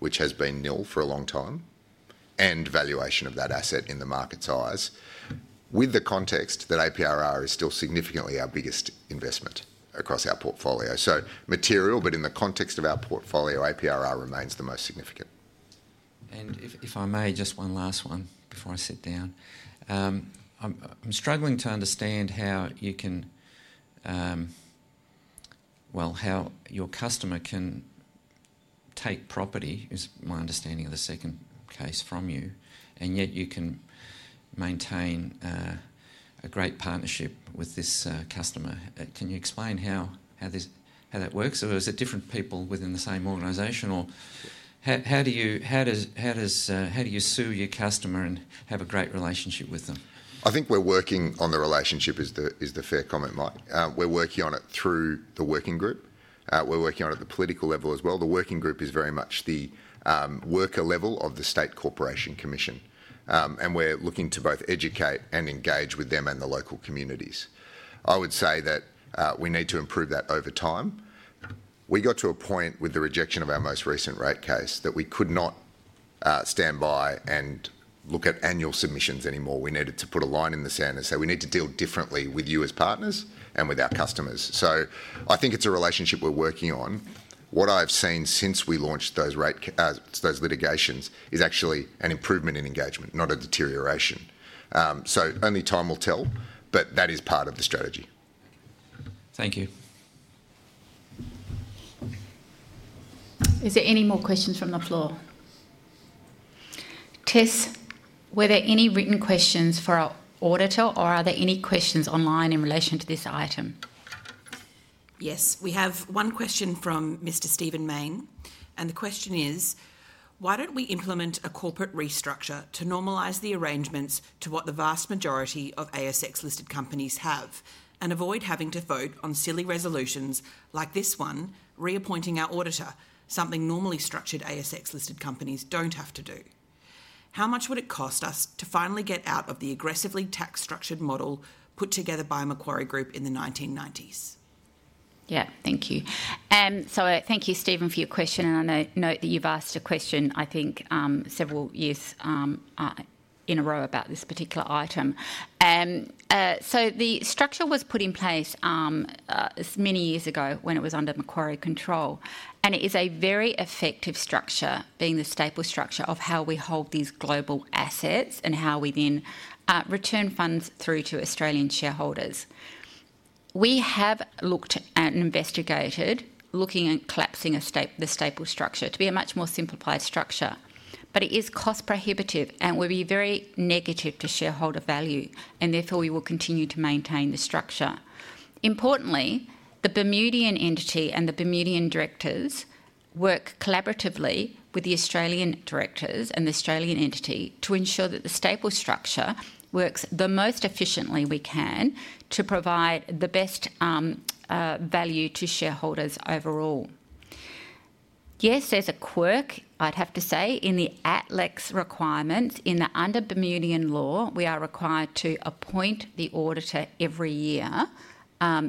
which has been nil for a long time, and valuation of that asset in the market's eyes, with the context that APRR is still significantly our biggest investment across our portfolio. Material, but in the context of our portfolio, APRR remains the most significant. If I may, just one last one before I sit down. I'm struggling to understand how you can, well, how your customer can take property is my understanding of the second case from you, and yet you can maintain a great partnership with this customer. Can you explain how that works? Are those different people within the same organisation? How do you sue your customer and have a great relationship with them? I think we're working on the relationship is the fair comment, Mike. We're working on it through the working group. We're working on it at the political level as well. The working group is very much the worker level of the State Corporation Commission, and we're looking to both educate and engage with them and the local communities. I would say that we need to improve that over time. We got to a point with the rejection of our most recent rate case that we could not stand by and look at annual submissions anymore. We needed to put a line in the sand and say, "We need to deal differently with you as partners and with our customers." I think it's a relationship we're working on. What I've seen since we launched those litigations is actually an improvement in engagement, not a deterioration. Only time will tell, but that is part of the strategy. Thank you. Is there any more questions from the floor? Tess, were there any written questions for our auditor, or are there any questions online in relation to this item? Yes, we have one question from Mr. Stephen Main, and the question is, "Why don't we implement a corporate restructure to normalise the arrangements to what the vast majority of ASX-listed companies have and avoid having to vote on silly resolutions like this one, reappointing our auditor, something normally structured ASX-listed companies don't have to do? How much would it cost us to finally get out of the aggressively tax-structured model put together by Macquarie Group in the 1990s?" Yeah, thank you. Thank you, Stephen, for your question. I know that you've asked a question, I think, several years in a row about this particular item. The structure was put in place many years ago when it was under Macquarie control, and it is a very effective structure, being the stapled structure of how we hold these global assets and how we then return funds through to Australian shareholders. We have looked and investigated, looking at collapsing the stapled structure to be a much more simplified structure, but it is cost-prohibitive and will be very negative to shareholder value, and therefore we will continue to maintain the structure. Importantly, the Bermudian entity and the Bermudian directors work collaboratively with the Australian directors and the Australian entity to ensure that the stapled structure works the most efficiently we can to provide the best value to shareholders overall. Yes, there's a quirk, I'd have to say, in the ATLAX requirements under Bermudian law. We are required to appoint the auditor every year,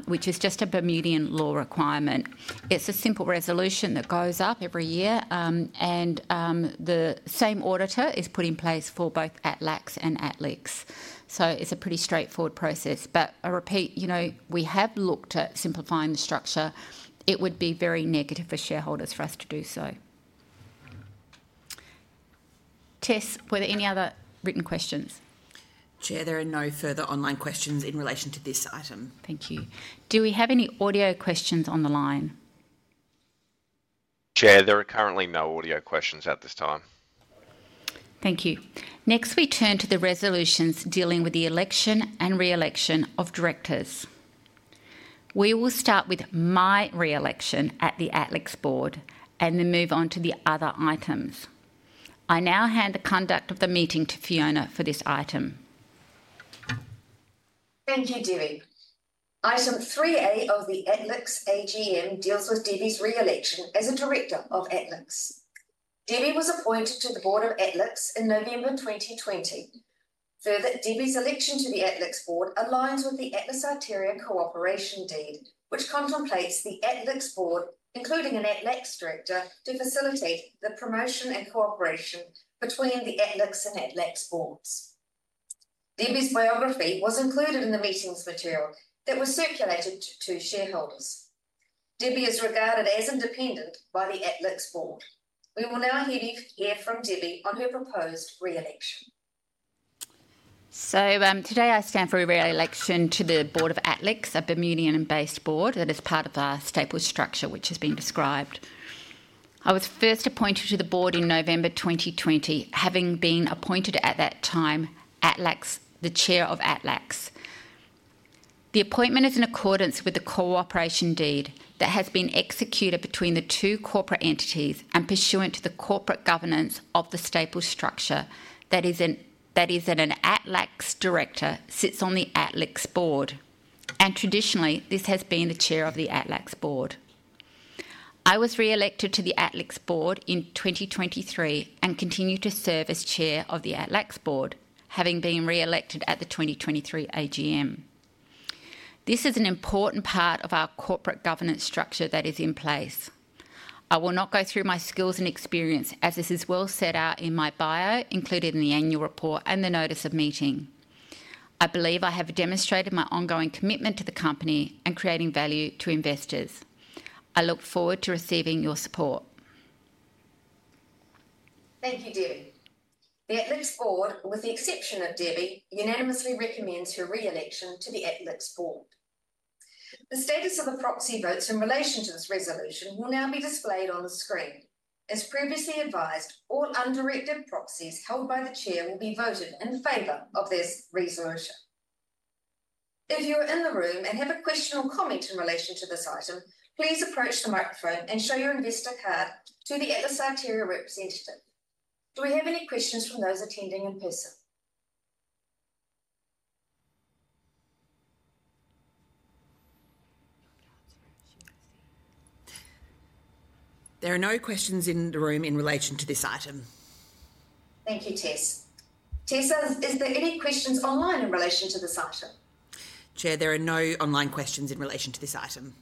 which is just a Bermudian law requirement. It's a simple resolution that goes up every year, and the same auditor is put in place for both ATLAX and ATLIX. It's a pretty straightforward process. I repeat, we have looked at simplifying the structure. It would be very negative for shareholders for us to do so. Tess, were there any other written questions? Chair, there are no further online questions in relation to this item. Thank you. Do we have any audio questions on the line? Chair, there are currently no audio questions at this time. Thank you. Next, we turn to the resolutions dealing with the election and re-election of directors. We will start with my re-election at the ATLIX board and then move on to the other items. I now hand the conduct of the meeting to Fiona for this item. Thank you, Debbie. Item 3A of the ATLAX AGM deals with Debbie's re-election as a director of ATLAX. Debbie was appointed to the board of ATLAX in November 2020. Further, Debbie's election to the ATLIX board aligns with the ATLAX Arteria Cooperation Deed, which contemplates the ATLAX board, including an ATLAX director, to facilitate the promotion and cooperation between the ATLAX and ATLIX boards. Debbie's biography was included in the meeting's material that was circulated to shareholders. Debbie is regarded as independent by the ATLIX board. We will now hear from Debbie on her proposed re-election. Today I stand for a re-election to the board of ATLIX, a Bermudian-based board that is part of our stapled structure, which has been described. I was first appointed to the board in November 2020, having been appointed at that time ATLAX, the Chair of ATLAX. The appointment is in accordance with the cooperation deed that has been executed between the two corporate entities and pursuant to the corporate governance of the stapled structure that is that an ATLAX director sits on the ATLAX board. Traditionally, this has been the Chair of the ATLAX board. I was re-elected to the ATLIX board in 2023 and continue to serve as chair of the ATLAX board, having been re-elected at the 2023 AGM. This is an important part of our corporate governance structure that is in place. I will not go through my skills and experience, as this is well set out in my bio, included in the annual report and the notice of meeting. I believe I have demonstrated my ongoing commitment to the company and creating value to investors. I look forward to receiving your support. Thank you, Debbie. The ATLAX board, with the exception of Debbie, unanimously recommends her re-election to the ATLIX board. The status of the proxy votes in relation to this resolution will now be displayed on the screen. As previously advised, all undirected proxies held by the chair will be voted in favor of this resolution. If you are in the room and have a question or comment in relation to this item, please approach the microphone and show your investor card to the Atlas Arteria representative. Do we have any questions from those attending in person? There are no questions in the room in relation to this item. Thank you, Tess. Tess, is there any questions online in relation to this item? Chair, there are no online questions in relation to this item.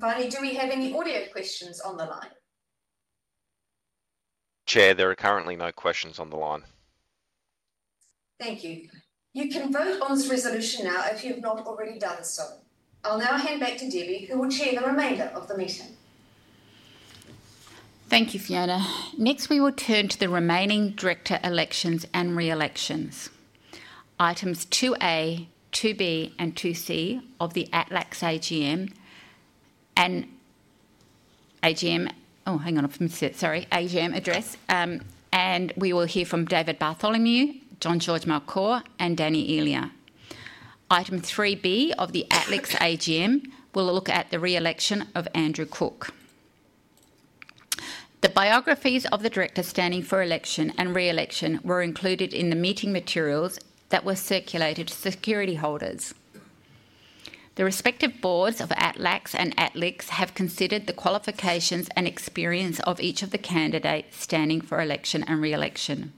Finally, do we have any audio questions on the line? Chair, there are currently no questions on the line. Thank you. You can vote on this resolution now if you have not already done so. I'll now hand back to Debbie, who will chair the remainder of the meeting. Thank you, Fiona. Next, we will turn to the remaining director elections and re-elections. Items 2A, 2B, and 2C of the ATLAX AGM and AGM. Oh, hang on, sorry, AGM address. We will hear from David Bartholomew, Jean-Georges Malcor, and Danny Elia. Item 3B of the ATLIX AGM will look at the re-election of Andrew Cook. The biographies of the directors standing for election and re-election were included in the meeting materials that were circulated to security holders. The respective boards of ATLAX and ATLIX have considered the qualifications and experience of each of the candidates standing for election and re-election.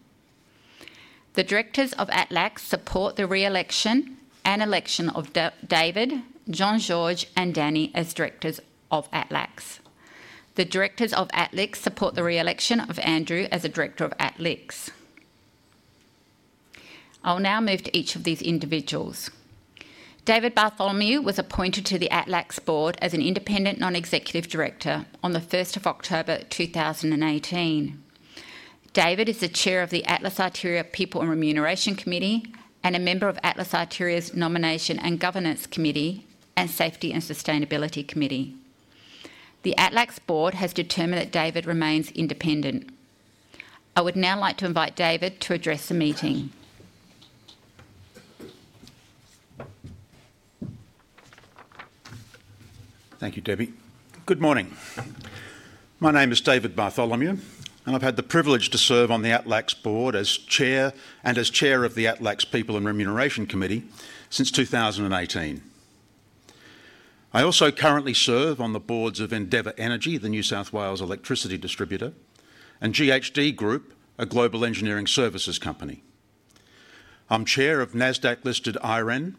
The directors of ATLAX support the re-election and election of David, Jean-Georges, and Danny as directors of ATLAX. The directors of ATLIX support the re-election of Andrew as a director of ATLIX. I'll now move to each of these individuals. David Bartholomew was appointed to the ATLAX board as an independent non-executive director on the 1st of October 2018. David is the chair of the Atlas Arteria People and Remuneration Committee and a member of Atlas Arteria's Nomination and Governance Committee and Safety and Sustainability Committee. The ATLAX board has determined that David remains independent. I would now like to invite David to address the meeting. Thank you, Debbie. Good morning. My name is David Bartholomew, and I've had the privilege to serve on the ATLAX board as Chair and as Chair of the ATLAX People and Remuneration Committee since 2018. I also currently serve on the boards of Endeavour Energy, the New South Wales electricity distributor, and GHD Group, a global engineering services company. I'm Chair of Nasdaq-listed IREN,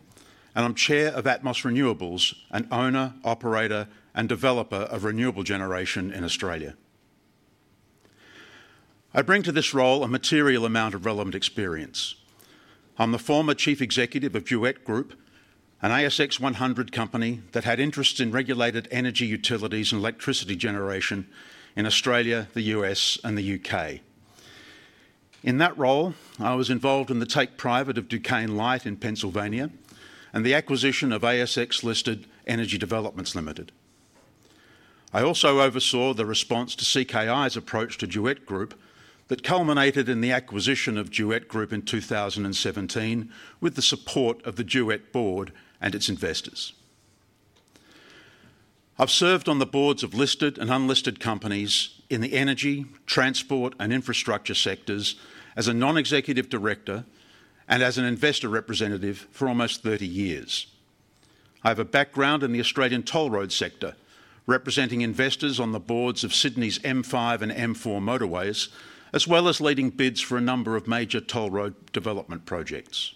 and I'm Chair of Atmos Renewables, an owner, operator, and developer of renewable generation in Australia. I bring to this role a material amount of relevant experience. I'm the former Chief Executive of Duet Group, an ASX 100 company that had interests in regulated energy utilities and electricity generation in Australia, the U.S., and the U.K. In that role, I was involved in the take-private of Duquesne Light in Pennsylvania and the acquisition of ASX-listed Energy Developments Limited. I also oversaw the response to CK Infrastructure's approach to Duet Group that culminated in the acquisition of Duet Group in 2017 with the support of the Duet board and its investors. I've served on the boards of listed and unlisted companies in the energy, transport, and infrastructure sectors as a non-executive director and as an investor representative for almost 30 years. I have a background in the Australian toll road sector, representing investors on the boards of Sydney's M5 and M4 motorways, as well as leading bids for a number of major toll road development projects.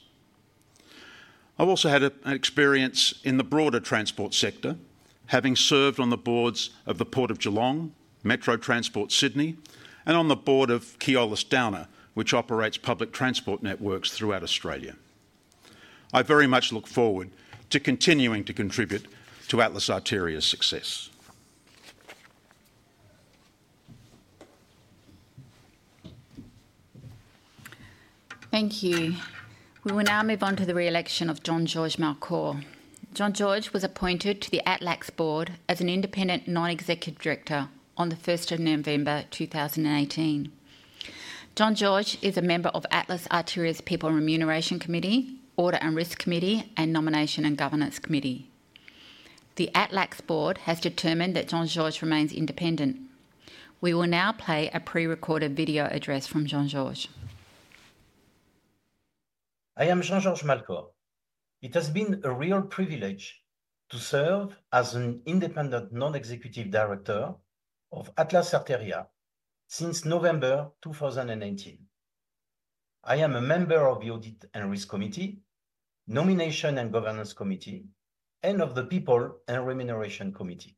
I've also had experience in the broader transport sector, having served on the boards of the Port of Geelong, Metro Trains Sydney, and on the board of Keolis Downer, which operates public transport networks throughout Australia. I very much look forward to continuing to contribute to Atlas Arteria's success. Thank you. We will now move on to the re-election of Jean-Georges Malcor. Jean-Georges was appointed to the ATLAX board as an independent non-executive director on the 1st of November 2018. Jean-Georges is a member of Atlas Arteria's People and Remuneration Committee, Audit and Risk Committee, and Nomination and Governance Committee. The ATLAX board has determined that Jean-Georges remains independent. We will now play a pre-recorded video address from Jean-Georges. I am Jean-Georges Malcor. It has been a real privilege to serve as an independent non-executive director of Atlas Arteria since November 2018. I am a member of the Audit and Risk Committee, Nomination and Governance Committee, and of the People and Remuneration Committee.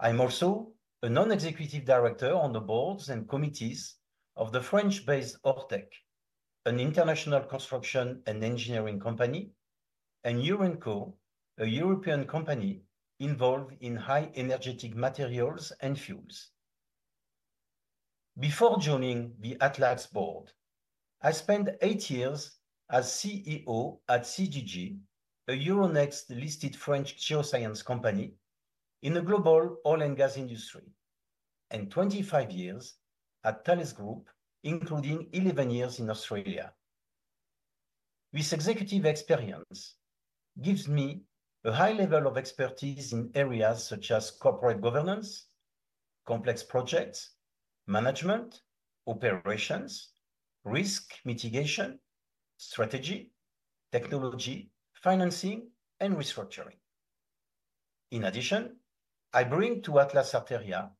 I'm also a non-executive director on the boards and committees of the French-based Ortec, an international construction and engineering company, and EURENCO, a European company involved in high-energetic materials and fuels. Before joining the ATLAX board, I spent eight years as CEO at CGG, a Euronext-listed French geoscience company in the global oil and gas industry, and 25 years at TALIS-Group, including 11 years in Australia. This executive experience gives me a high level of expertise in areas such as corporate governance, complex projects, management, operations, risk mitigation, strategy, technology, financing, and restructuring. In addition, I bring to Atlas Arteria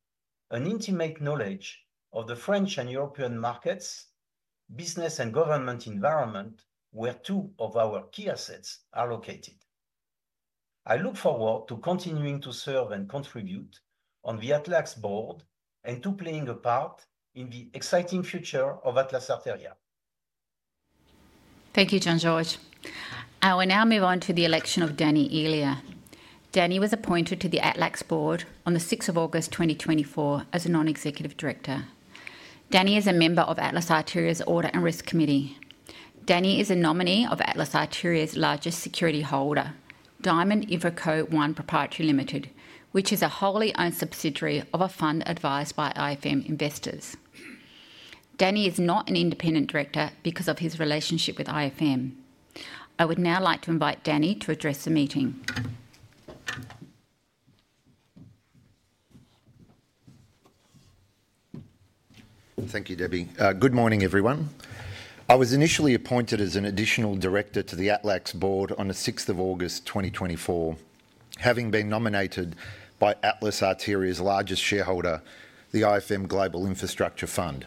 an intimate knowledge of the French and European markets, business, and government environment where two of our key assets are located. I look forward to continuing to serve and contribute on the ATLAX board and to playing a part in the exciting future of Atlas Arteria. Thank you, Jean-Georges. I will now move on to the election of Danny Elia. Danny was appointed to the ATLAX board on the 6th of August 2024 as a non-executive director. Danny is a member of Atlas Arteria's Audit and Risk Committee. Danny is a nominee of Atlas Arteria's largest security holder, DIAMOND INFRANCO 1 PROPRIETY LIMITED, which is a wholly owned subsidiary of a fund advised by IFM Investors. Danny is not an independent director because of his relationship with IFM. I would now like to invite Danny to address the meeting. Thank you, Debbie. Good morning, everyone. I was initially appointed as an additional director to the ATLAX board on the 6th of August 2024, having been nominated by Atlas Arteria's largest shareholder, the IFM Global Infrastructure Fund.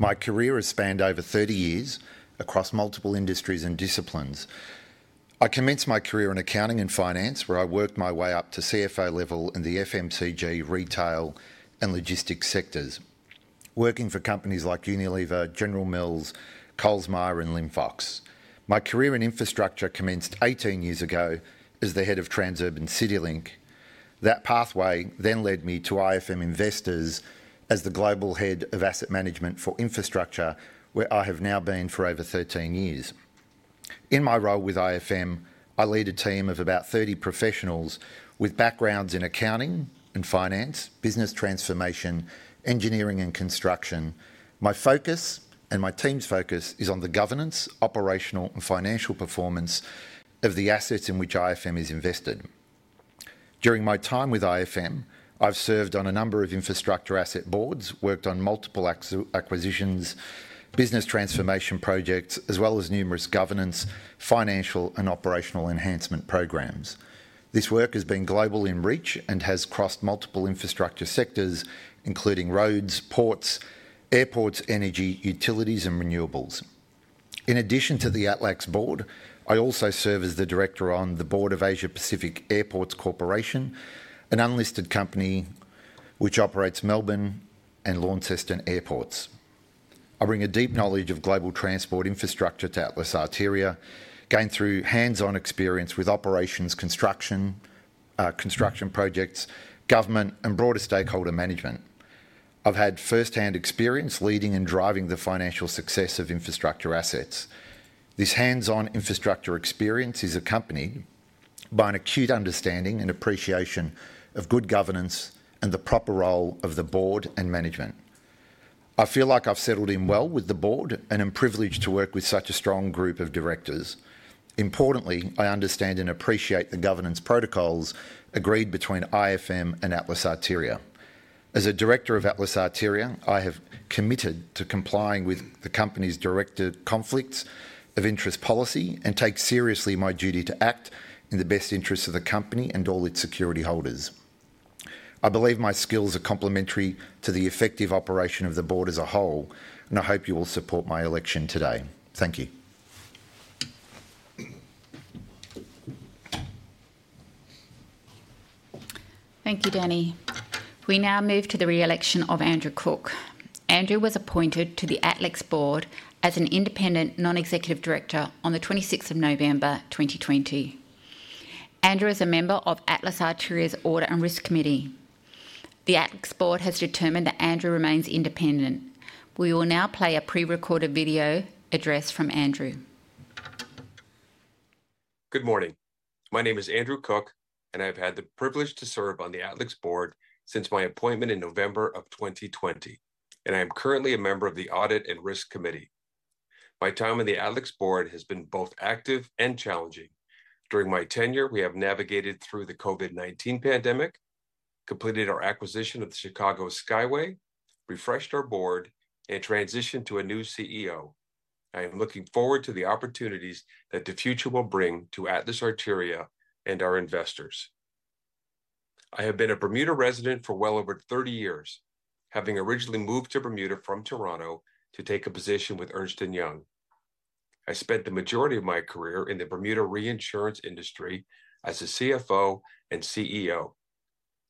My career has spanned over 30 years across multiple industries and disciplines. I commenced my career in accounting and finance, where I worked my way up to CFO level in the FMCG, retail, and logistics sectors, working for companies like Unilever, General Mills, Coles Myer, and Linfox. My career in infrastructure commenced 18 years ago as the head of Transurban CityLink. That pathway then led me to IFM Investors as the global head of asset management for infrastructure, where I have now been for over 13 years. In my role with IFM, I lead a team of about 30 professionals with backgrounds in accounting and finance, business transformation, engineering, and construction. My focus and my team's focus is on the governance, operational, and financial performance of the assets in which IFM is invested. During my time with IFM, I've served on a number of infrastructure asset boards, worked on multiple acquisitions, business transformation projects, as well as numerous governance, financial, and operational enhancement programs. This work has been global in reach and has crossed multiple infrastructure sectors, including roads, ports, airports, energy, utilities, and renewables. In addition to the ATLAX board, I also serve as the director on the board of Asia-Pacific Airports Corporation, an unlisted company which operates Melbourne and Launceston airports. I bring a deep knowledge of global transport infrastructure to Atlas Arteria, gained through hands-on experience with operations, construction projects, government, and broader stakeholder management. I've had first-hand experience leading and driving the financial success of infrastructure assets. This hands-on infrastructure experience is accompanied by an acute understanding and appreciation of good governance and the proper role of the board and management. I feel like I've settled in well with the board and am privileged to work with such a strong group of directors. Importantly, I understand and appreciate the governance protocols agreed between IFM and Atlas Arteria. As a director of Atlas Arteria, I have committed to complying with the company's direct conflicts of interest policy and take seriously my duty to act in the best interests of the company and all its security holders. I believe my skills are complementary to the effective operation of the board as a whole, and I hope you will support my election today. Thank you. Thank you, Danny. We now move to the re-election of Andrew Cook. Andrew was appointed to the ATLIX board as an independent non-executive director on the 26th of November 2020. Andrew is a member of Atlas Arteria's Audit and Risk Committee. The ATLIX board has determined that Andrew remains independent. We will now play a pre-recorded video address from Andrew. Good morning. My name is Andrew Cook, and I've had the privilege to serve on the ATLIX board since my appointment in November of 2020, and I am currently a member of the Audit and Risk Committee. My time on the ATLIX board has been both active and challenging. During my tenure, we have navigated through the COVID-19 pandemic, completed our acquisition of the Chicago Skyway, refreshed our board, and transitioned to a new CEO. I am looking forward to the opportunities that the future will bring to Atlas Arteria and our investors. I have been a Bermuda resident for well over 30 years, having originally moved to Bermuda from Toronto to take a position with Ernst & Young. I spent the majority of my career in the Bermuda reinsurance industry as a CFO and CEO.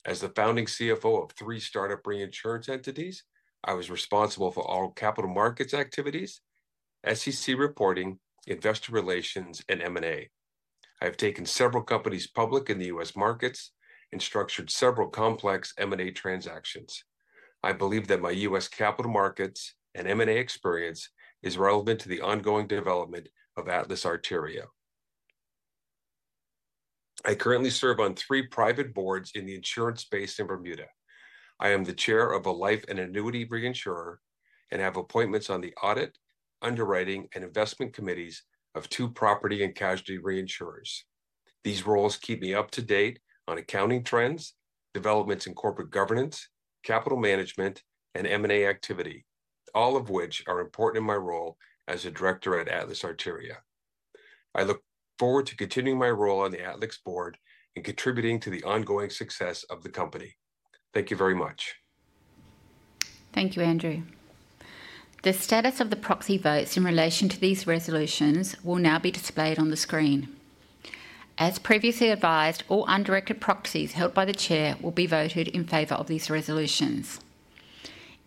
As the founding CFO of three startup reinsurance entities, I was responsible for all capital markets activities, SEC reporting, investor relations, and M&A. I have taken several companies public in the US markets and structured several complex M&A transactions. I believe that my US capital markets and M&A experience is relevant to the ongoing development of Atlas Arteria. I currently serve on three private boards in the insurance space in Bermuda. I am the chair of a life and annuity reinsurer and have appointments on the audit, underwriting, and investment committees of two property and casualty reinsurers. These roles keep me up to date on accounting trends, developments in corporate governance, capital management, and M&A activity, all of which are important in my role as a director at Atlas Arteria. I look forward to continuing my role on the ATLIX board and contributing to the ongoing success of the company. Thank you very much. Thank you, Andrew. The status of the proxy votes in relation to these resolutions will now be displayed on the screen. As previously advised, all undirected proxies held by the chair will be voted in favor of these resolutions.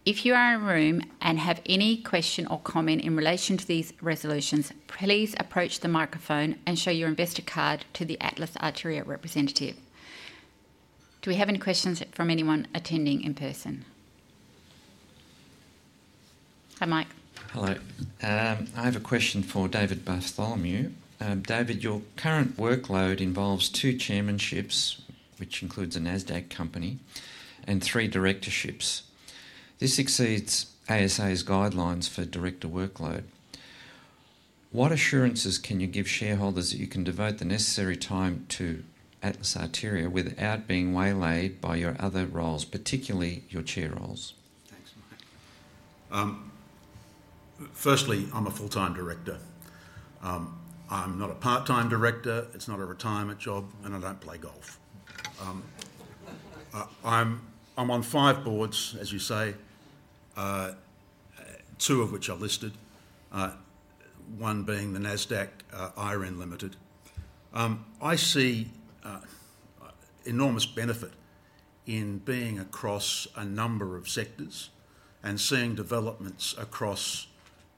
If you are in a room and have any question or comment in relation to these resolutions, please approach the microphone and show your investor card to the Atlas Arteria representative. Do we have any questions from anyone attending in person? Hi, Mike. Hello. I have a question for David Bartholomew. David, your current workload involves two chairmanships, which includes a Nasdaq company, and three directorships. This exceeds ASA's guidelines for director workload. What assurances can you give shareholders that you can devote the necessary time to Atlas Arteria without being waylaid by your other roles, particularly your chair roles? Thanks, Mike. Firstly, I'm a full-time director. I'm not a part-time director. It's not a retirement job, and I don't play golf. I'm on five boards, as you say, two of which are listed, one being the Nasdaq IREN. I see enormous benefit in being across a number of sectors and seeing developments across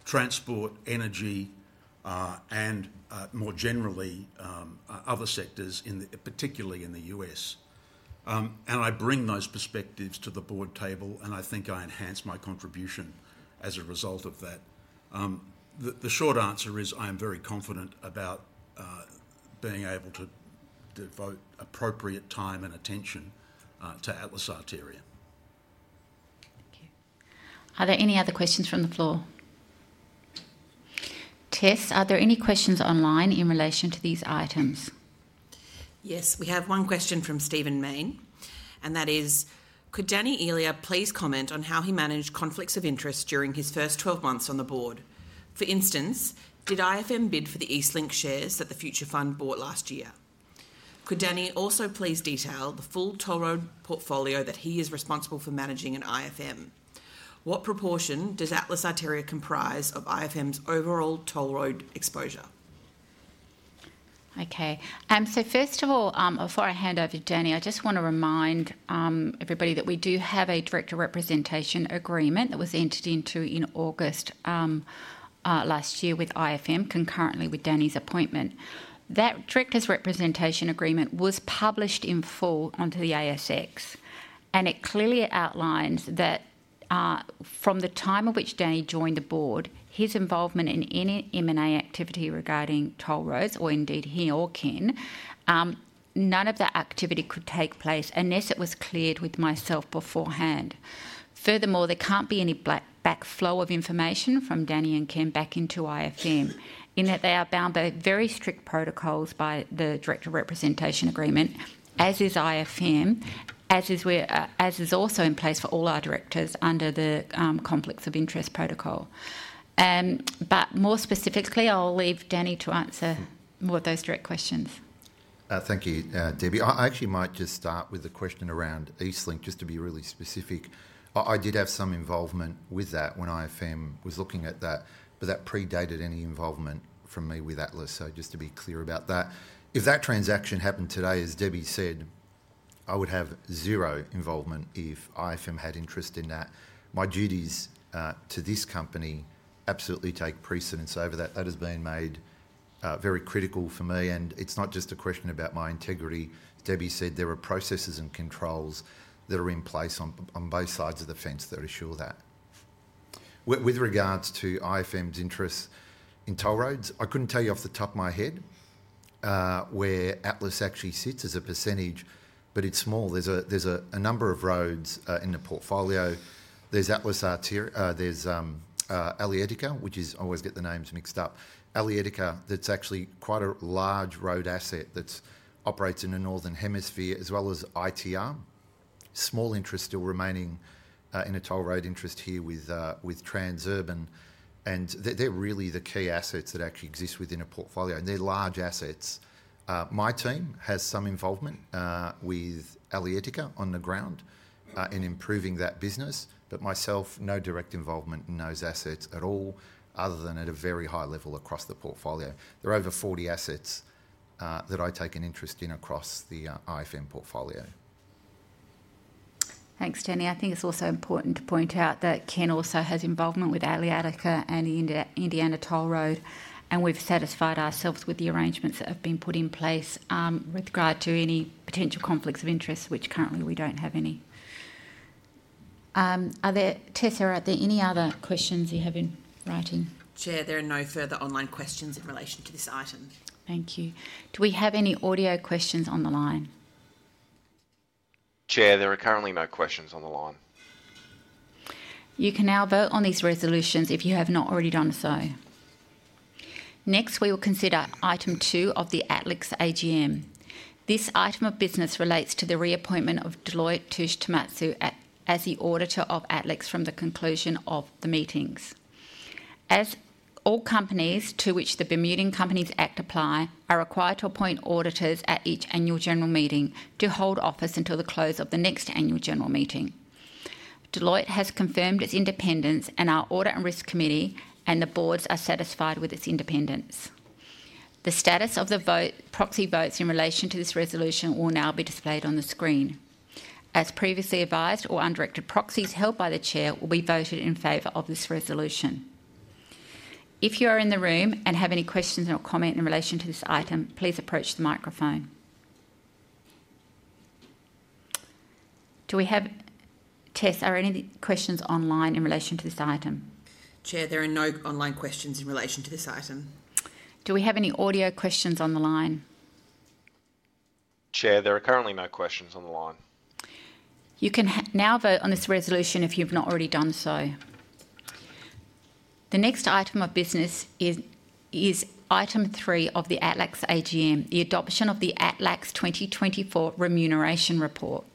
transport, energy, and more generally other sectors, particularly in the U.S. And I bring those perspectives to the board table, and I think I enhance my contribution as a result of that. The short answer is I am very confident about being able to devote appropriate time and attention to Atlas Arteria. Thank you. Are there any other questions from the floor? Tess, are there any questions online in relation to these items? Yes, we have one question from Stephen Main, and that is, could Danny Elia please comment on how he managed conflicts of interest during his first 12 months on the board? For instance, did IFM bid for the Eastlink shares that the Future Fund bought last year? Could Danny also please detail the full toll road portfolio that he is responsible for managing in IFM? What proportion does Atlas Arteria comprise of IFM's overall toll road exposure? Okay. First of all, before I hand over to Danny, I just want to remind everybody that we do have a director representation agreement that was entered into in August last year with IFM, concurrently with Danny's appointment. That director's representation agreement was published in full onto the ASX, and it clearly outlines that from the time at which Danny joined the board, his involvement in any M&A activity regarding toll roads, or indeed he or Ken, none of that activity could take place unless it was cleared with myself beforehand. Furthermore, there can't be any backflow of information from Danny and Ken back into IFM, in that they are bound by very strict protocols by the director representation agreement, as is IFM, as is also in place for all our directors under the conflicts of interest protocol. More specifically, I'll leave Danny to answer more of those direct questions. Thank you, Debbie. I actually might just start with the question around Eastlink, just to be really specific. I did have some involvement with that when IFM was looking at that, but that predated any involvement from me with Atlas, so just to be clear about that. If that transaction happened today, as Debbie said, I would have zero involvement if IFM had interest in that. My duties to this company absolutely take precedence over that. That has been made very critical for me, and it's not just a question about my integrity. Debbie said there are processes and controls that are in place on both sides of the fence that assure that. With regards to IFM's interest in toll roads, I couldn't tell you off the top of my head where Atlas actually sits as a percentage, but it's small. There's a number of roads in the portfolio. There's Atlas Arteria, there's ADELAC, which is I always get the names mixed up. Aletica, that's actually quite a large road asset that operates in the northern hemisphere, as well as ITR. Small interest still remaining in a toll road interest here with Transurban, and they're really the key assets that actually exist within a portfolio, and they're large assets. My team has some involvement with Aletica on the ground in improving that business, but myself, no direct involvement in those assets at all, other than at a very high level across the portfolio. There are over 40 assets that I take an interest in across the IFM portfolio. Thanks, Danny. I think it's also important to point out that Ken also has involvement with Aletica and the Indiana Toll Road, and we've satisfied ourselves with the arrangements that have been put in place with regard to any potential conflicts of interest, which currently we don't have any. Tess, are there any other questions you have in writing? Chair, there are no further online questions in relation to this item. Thank you. Do we have any audio questions on the line? Chair, there are currently no questions on the line. You can now vote on these resolutions if you have not already done so. Next, we will consider item two of the ATLIX AGM. This item of business relates to the reappointment of Deloitte Touche Tohmatsu as the auditor of ATLIX from the conclusion of the meetings. As all companies to which the Bermudan Companies Act apply are required to appoint auditors at each annual general meeting to hold office until the close of the next annual general meeting, Deloitte has confirmed its independence, and our Audit and Risk Committee and the boards are satisfied with its independence. The status of the proxy votes in relation to this resolution will now be displayed on the screen. As previously advised, all undirected proxies held by the Chair will be voted in favor of this resolution. If you are in the room and have any questions or comment in relation to this item, please approach the microphone. Do we have, Tess, are there any questions online in relation to this item? Chair, there are no online questions in relation to this item. Do we have any audio questions on the line? Chair, there are currently no questions on the line. You can now vote on this resolution if you've not already done so. The next item of business is item three of the ATLAX AGM, the adoption of the ATLAX 2024 remuneration report.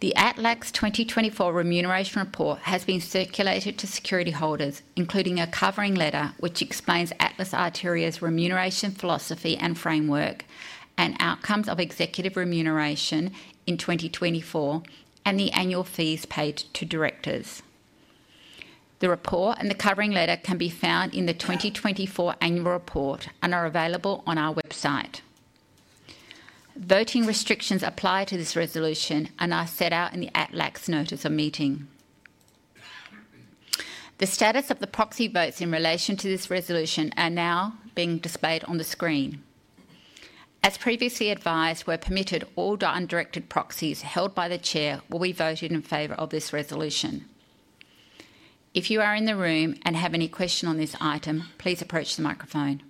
The ATLAX 2024 remuneration report has been circulated to security holders, including a covering letter which explains Atlas Arteria's remuneration philosophy and framework, and outcomes of executive remuneration in 2024, and the annual fees paid to directors. The report and the covering letter can be found in the 2024 annual report and are available on our website. Voting restrictions apply to this resolution and are set out in the ATLAX notice of meeting. The status of the proxy votes in relation to this resolution are now being displayed on the screen. As previously advised, all undirected proxies held by the Chair will be voted in favor of this resolution. If you are in the room and have any question on this item, please approach the microphone.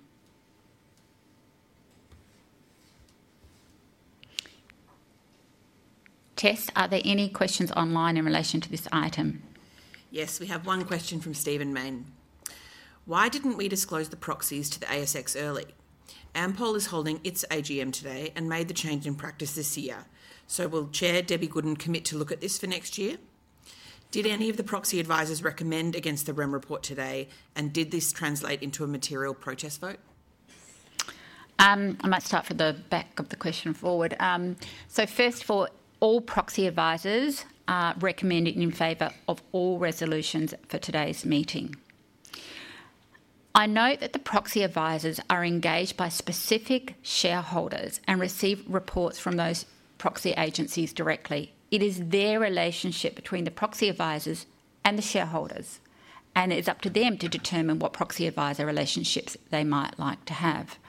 Tess, are there any questions online in relation to this item? Yes, we have one question from Stephen Main. Why didn't we disclose the proxies to the ASX early? Ampol is holding its AGM today and made the change in practice this year. Will Chair Debbie Goodin commit to look at this for next year? Did any of the proxy advisors recommend against the WREM report today, and did this translate into a material protest vote? I might start from the back of the question forward. First of all, all proxy advisors are recommending in favor of all resolutions for today's meeting. I know that the proxy advisors are engaged by specific shareholders and receive reports from those proxy agencies directly. It is their relationship between the proxy advisors and the shareholders, and it is up to them to determine what proxy advisor relationships they might like to have.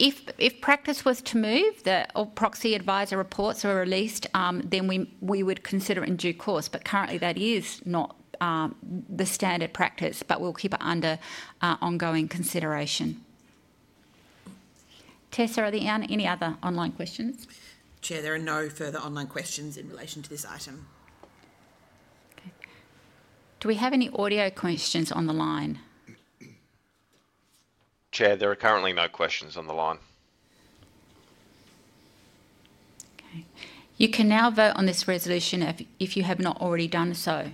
If practice was to move, the proxy advisor reports were released, then we would consider it in due course, but currently that is not the standard practice, but we'll keep it under ongoing consideration. Tess, are there any other online questions? Chair, there are no further online questions in relation to this item. Okay. Do we have any audio questions on the line? Chair, there are currently no questions on the line. Okay. You can now vote on this resolution if you have not already done so.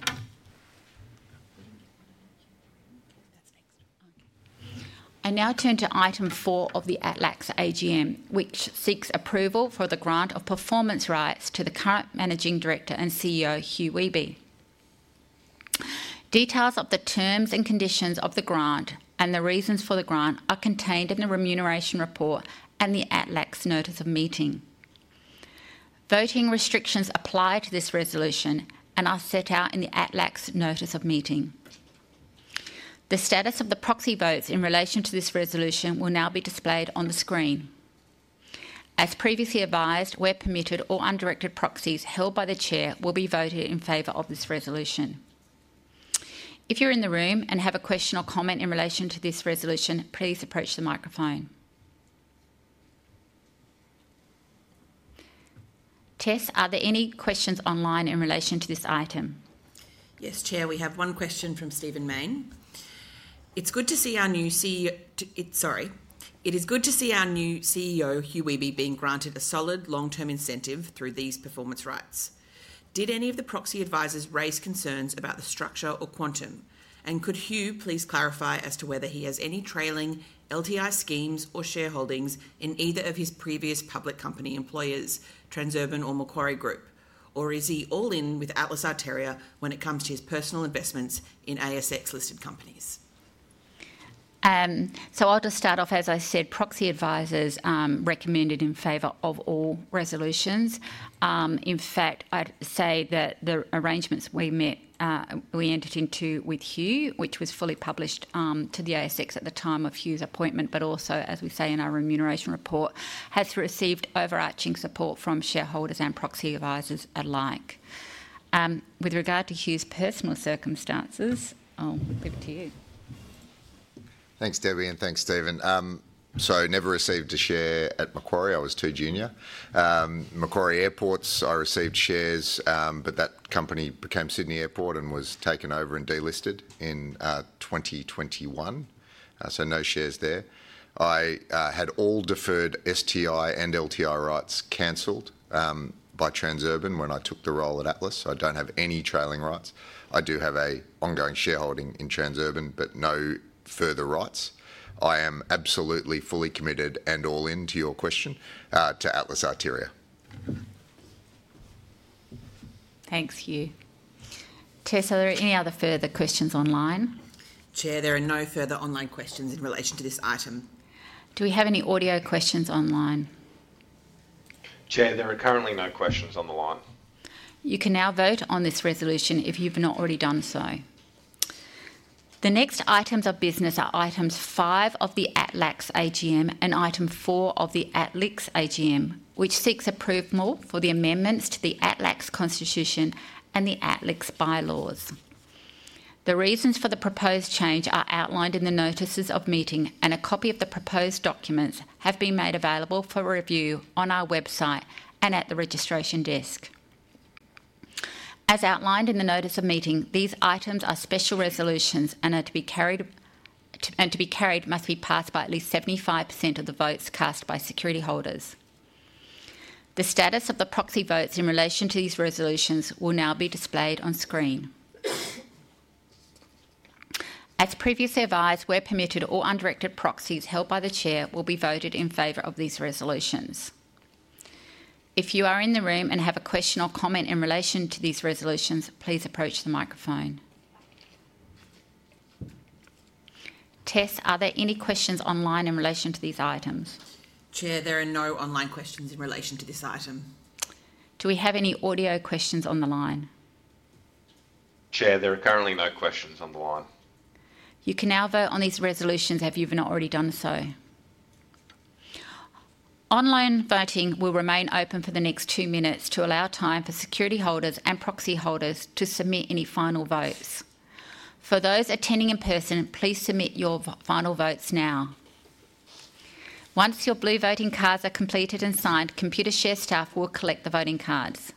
I now turn to item four of the ATLAX AGM, which seeks approval for the grant of performance rights to the current Managing Director and CEO, Hugh Wehby. Details of the terms and conditions of the grant and the reasons for the grant are contained in the remuneration report and the ATLAX notice of meeting. Voting restrictions apply to this resolution and are set out in the ATLAX notice of meeting. The status of the proxy votes in relation to this resolution will now be displayed on the screen. As previously advised, all undirected proxies held by the Chair will be voted in favor of this resolution. If you're in the room and have a question or comment in relation to this resolution, please approach the microphone. Tess, are there any questions online in relation to this item? Yes, Chair, we have one question from Stephen Main. It is good to see our new CEO—sorry. It is good to see our new CEO, Hugh Wehby, being granted a solid long-term incentive through these performance rights. Did any of the proxy advisors raise concerns about the structure or quantum? Could Hugh please clarify as to whether he has any trailing LTI schemes or shareholdings in either of his previous public company employers, Transurban or Macquarie Group? Or is he all in with Atlas Arteria when it comes to his personal investments in ASX-listed companies? I'll just start off. As I said, proxy advisors recommended in favor of all resolutions. In fact, I'd say that the arrangements we entered into with Hugh, which was fully published to the ASX at the time of Hugh's appointment, but also, as we say in our remuneration report, has received overarching support from shareholders and proxy advisors alike. With regard to Hugh's personal circumstances, I'll give it to you. Thanks, Debbie, and thanks, Stephen. I never received a share at Macquarie. I was too junior. Macquarie Airports, I received shares, but that company became Sydney Airport and was taken over and delisted in 2021, so no shares there. I had all deferred STI and LTI rights cancelled by Transurban when I took the role at Atlas. I do not have any trailing rights. I do have an ongoing shareholding in Transurban, but no further rights. I am absolutely fully committed and all in, to your question, to Atlas Arteria. Thanks, Hugh. Tess, are there any other further questions online? Chair, there are no further online questions in relation to this item. Do we have any audio questions online? Chair, there are currently no questions on the line. You can now vote on this resolution if you have not already done so. The next items of business are items five of the ATLAX AGM and item four of the ATLIX AGM, which seeks approval for the amendments to the ATLAX Constitution and the ATLIX bylaws. The reasons for the proposed change are outlined in the notices of meeting, and a copy of the proposed documents have been made available for review on our website and at the registration desk. As outlined in the notice of meeting, these items are special resolutions and are to be carried and to be carried must be passed by at least 75% of the votes cast by security holders. The status of the proxy votes in relation to these resolutions will now be displayed on screen. As previously advised, we're permitted all undirected proxies held by the chair will be voted in favor of these resolutions. If you are in the room and have a question or comment in relation to these resolutions, please approach the microphone. Tess, are there any questions online in relation to these items? Chair, there are no online questions in relation to this item. Do we have any audio questions on the line? Chair, there are currently no questions on the line. You can now vote on these resolutions if you've not already done so. Online voting will remain open for the next two minutes to allow time for security holders and proxy holders to submit any final votes. For those attending in person, please submit your final votes now. Once your blue voting cards are completed and signed, ComputerShare staff will collect the voting cards.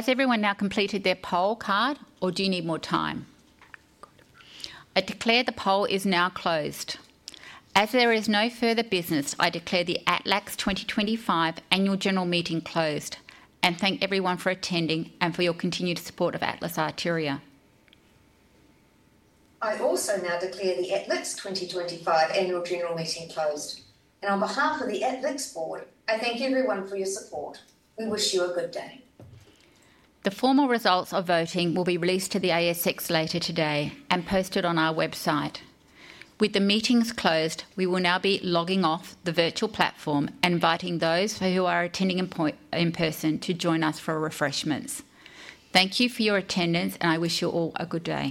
Has everyone now completed their poll card, or do you need more time? I declare the poll is now closed. As there is no further business, I declare the ATLAX 2025 annual general meeting closed and thank everyone for attending and for your continued support of Atlas Arteria. I also now declare the ATLIX Arteria 2025 annual general meeting closed. On behalf of the Atlas Arteria board, I thank everyone for your support. We wish you a good day. The formal results of voting will be released to the ASX later today and posted on our website. With the meetings closed, we will now be logging off the virtual platform and inviting those who are attending in person to join us for refreshments. Thank you for your attendance, and I wish you all a good day.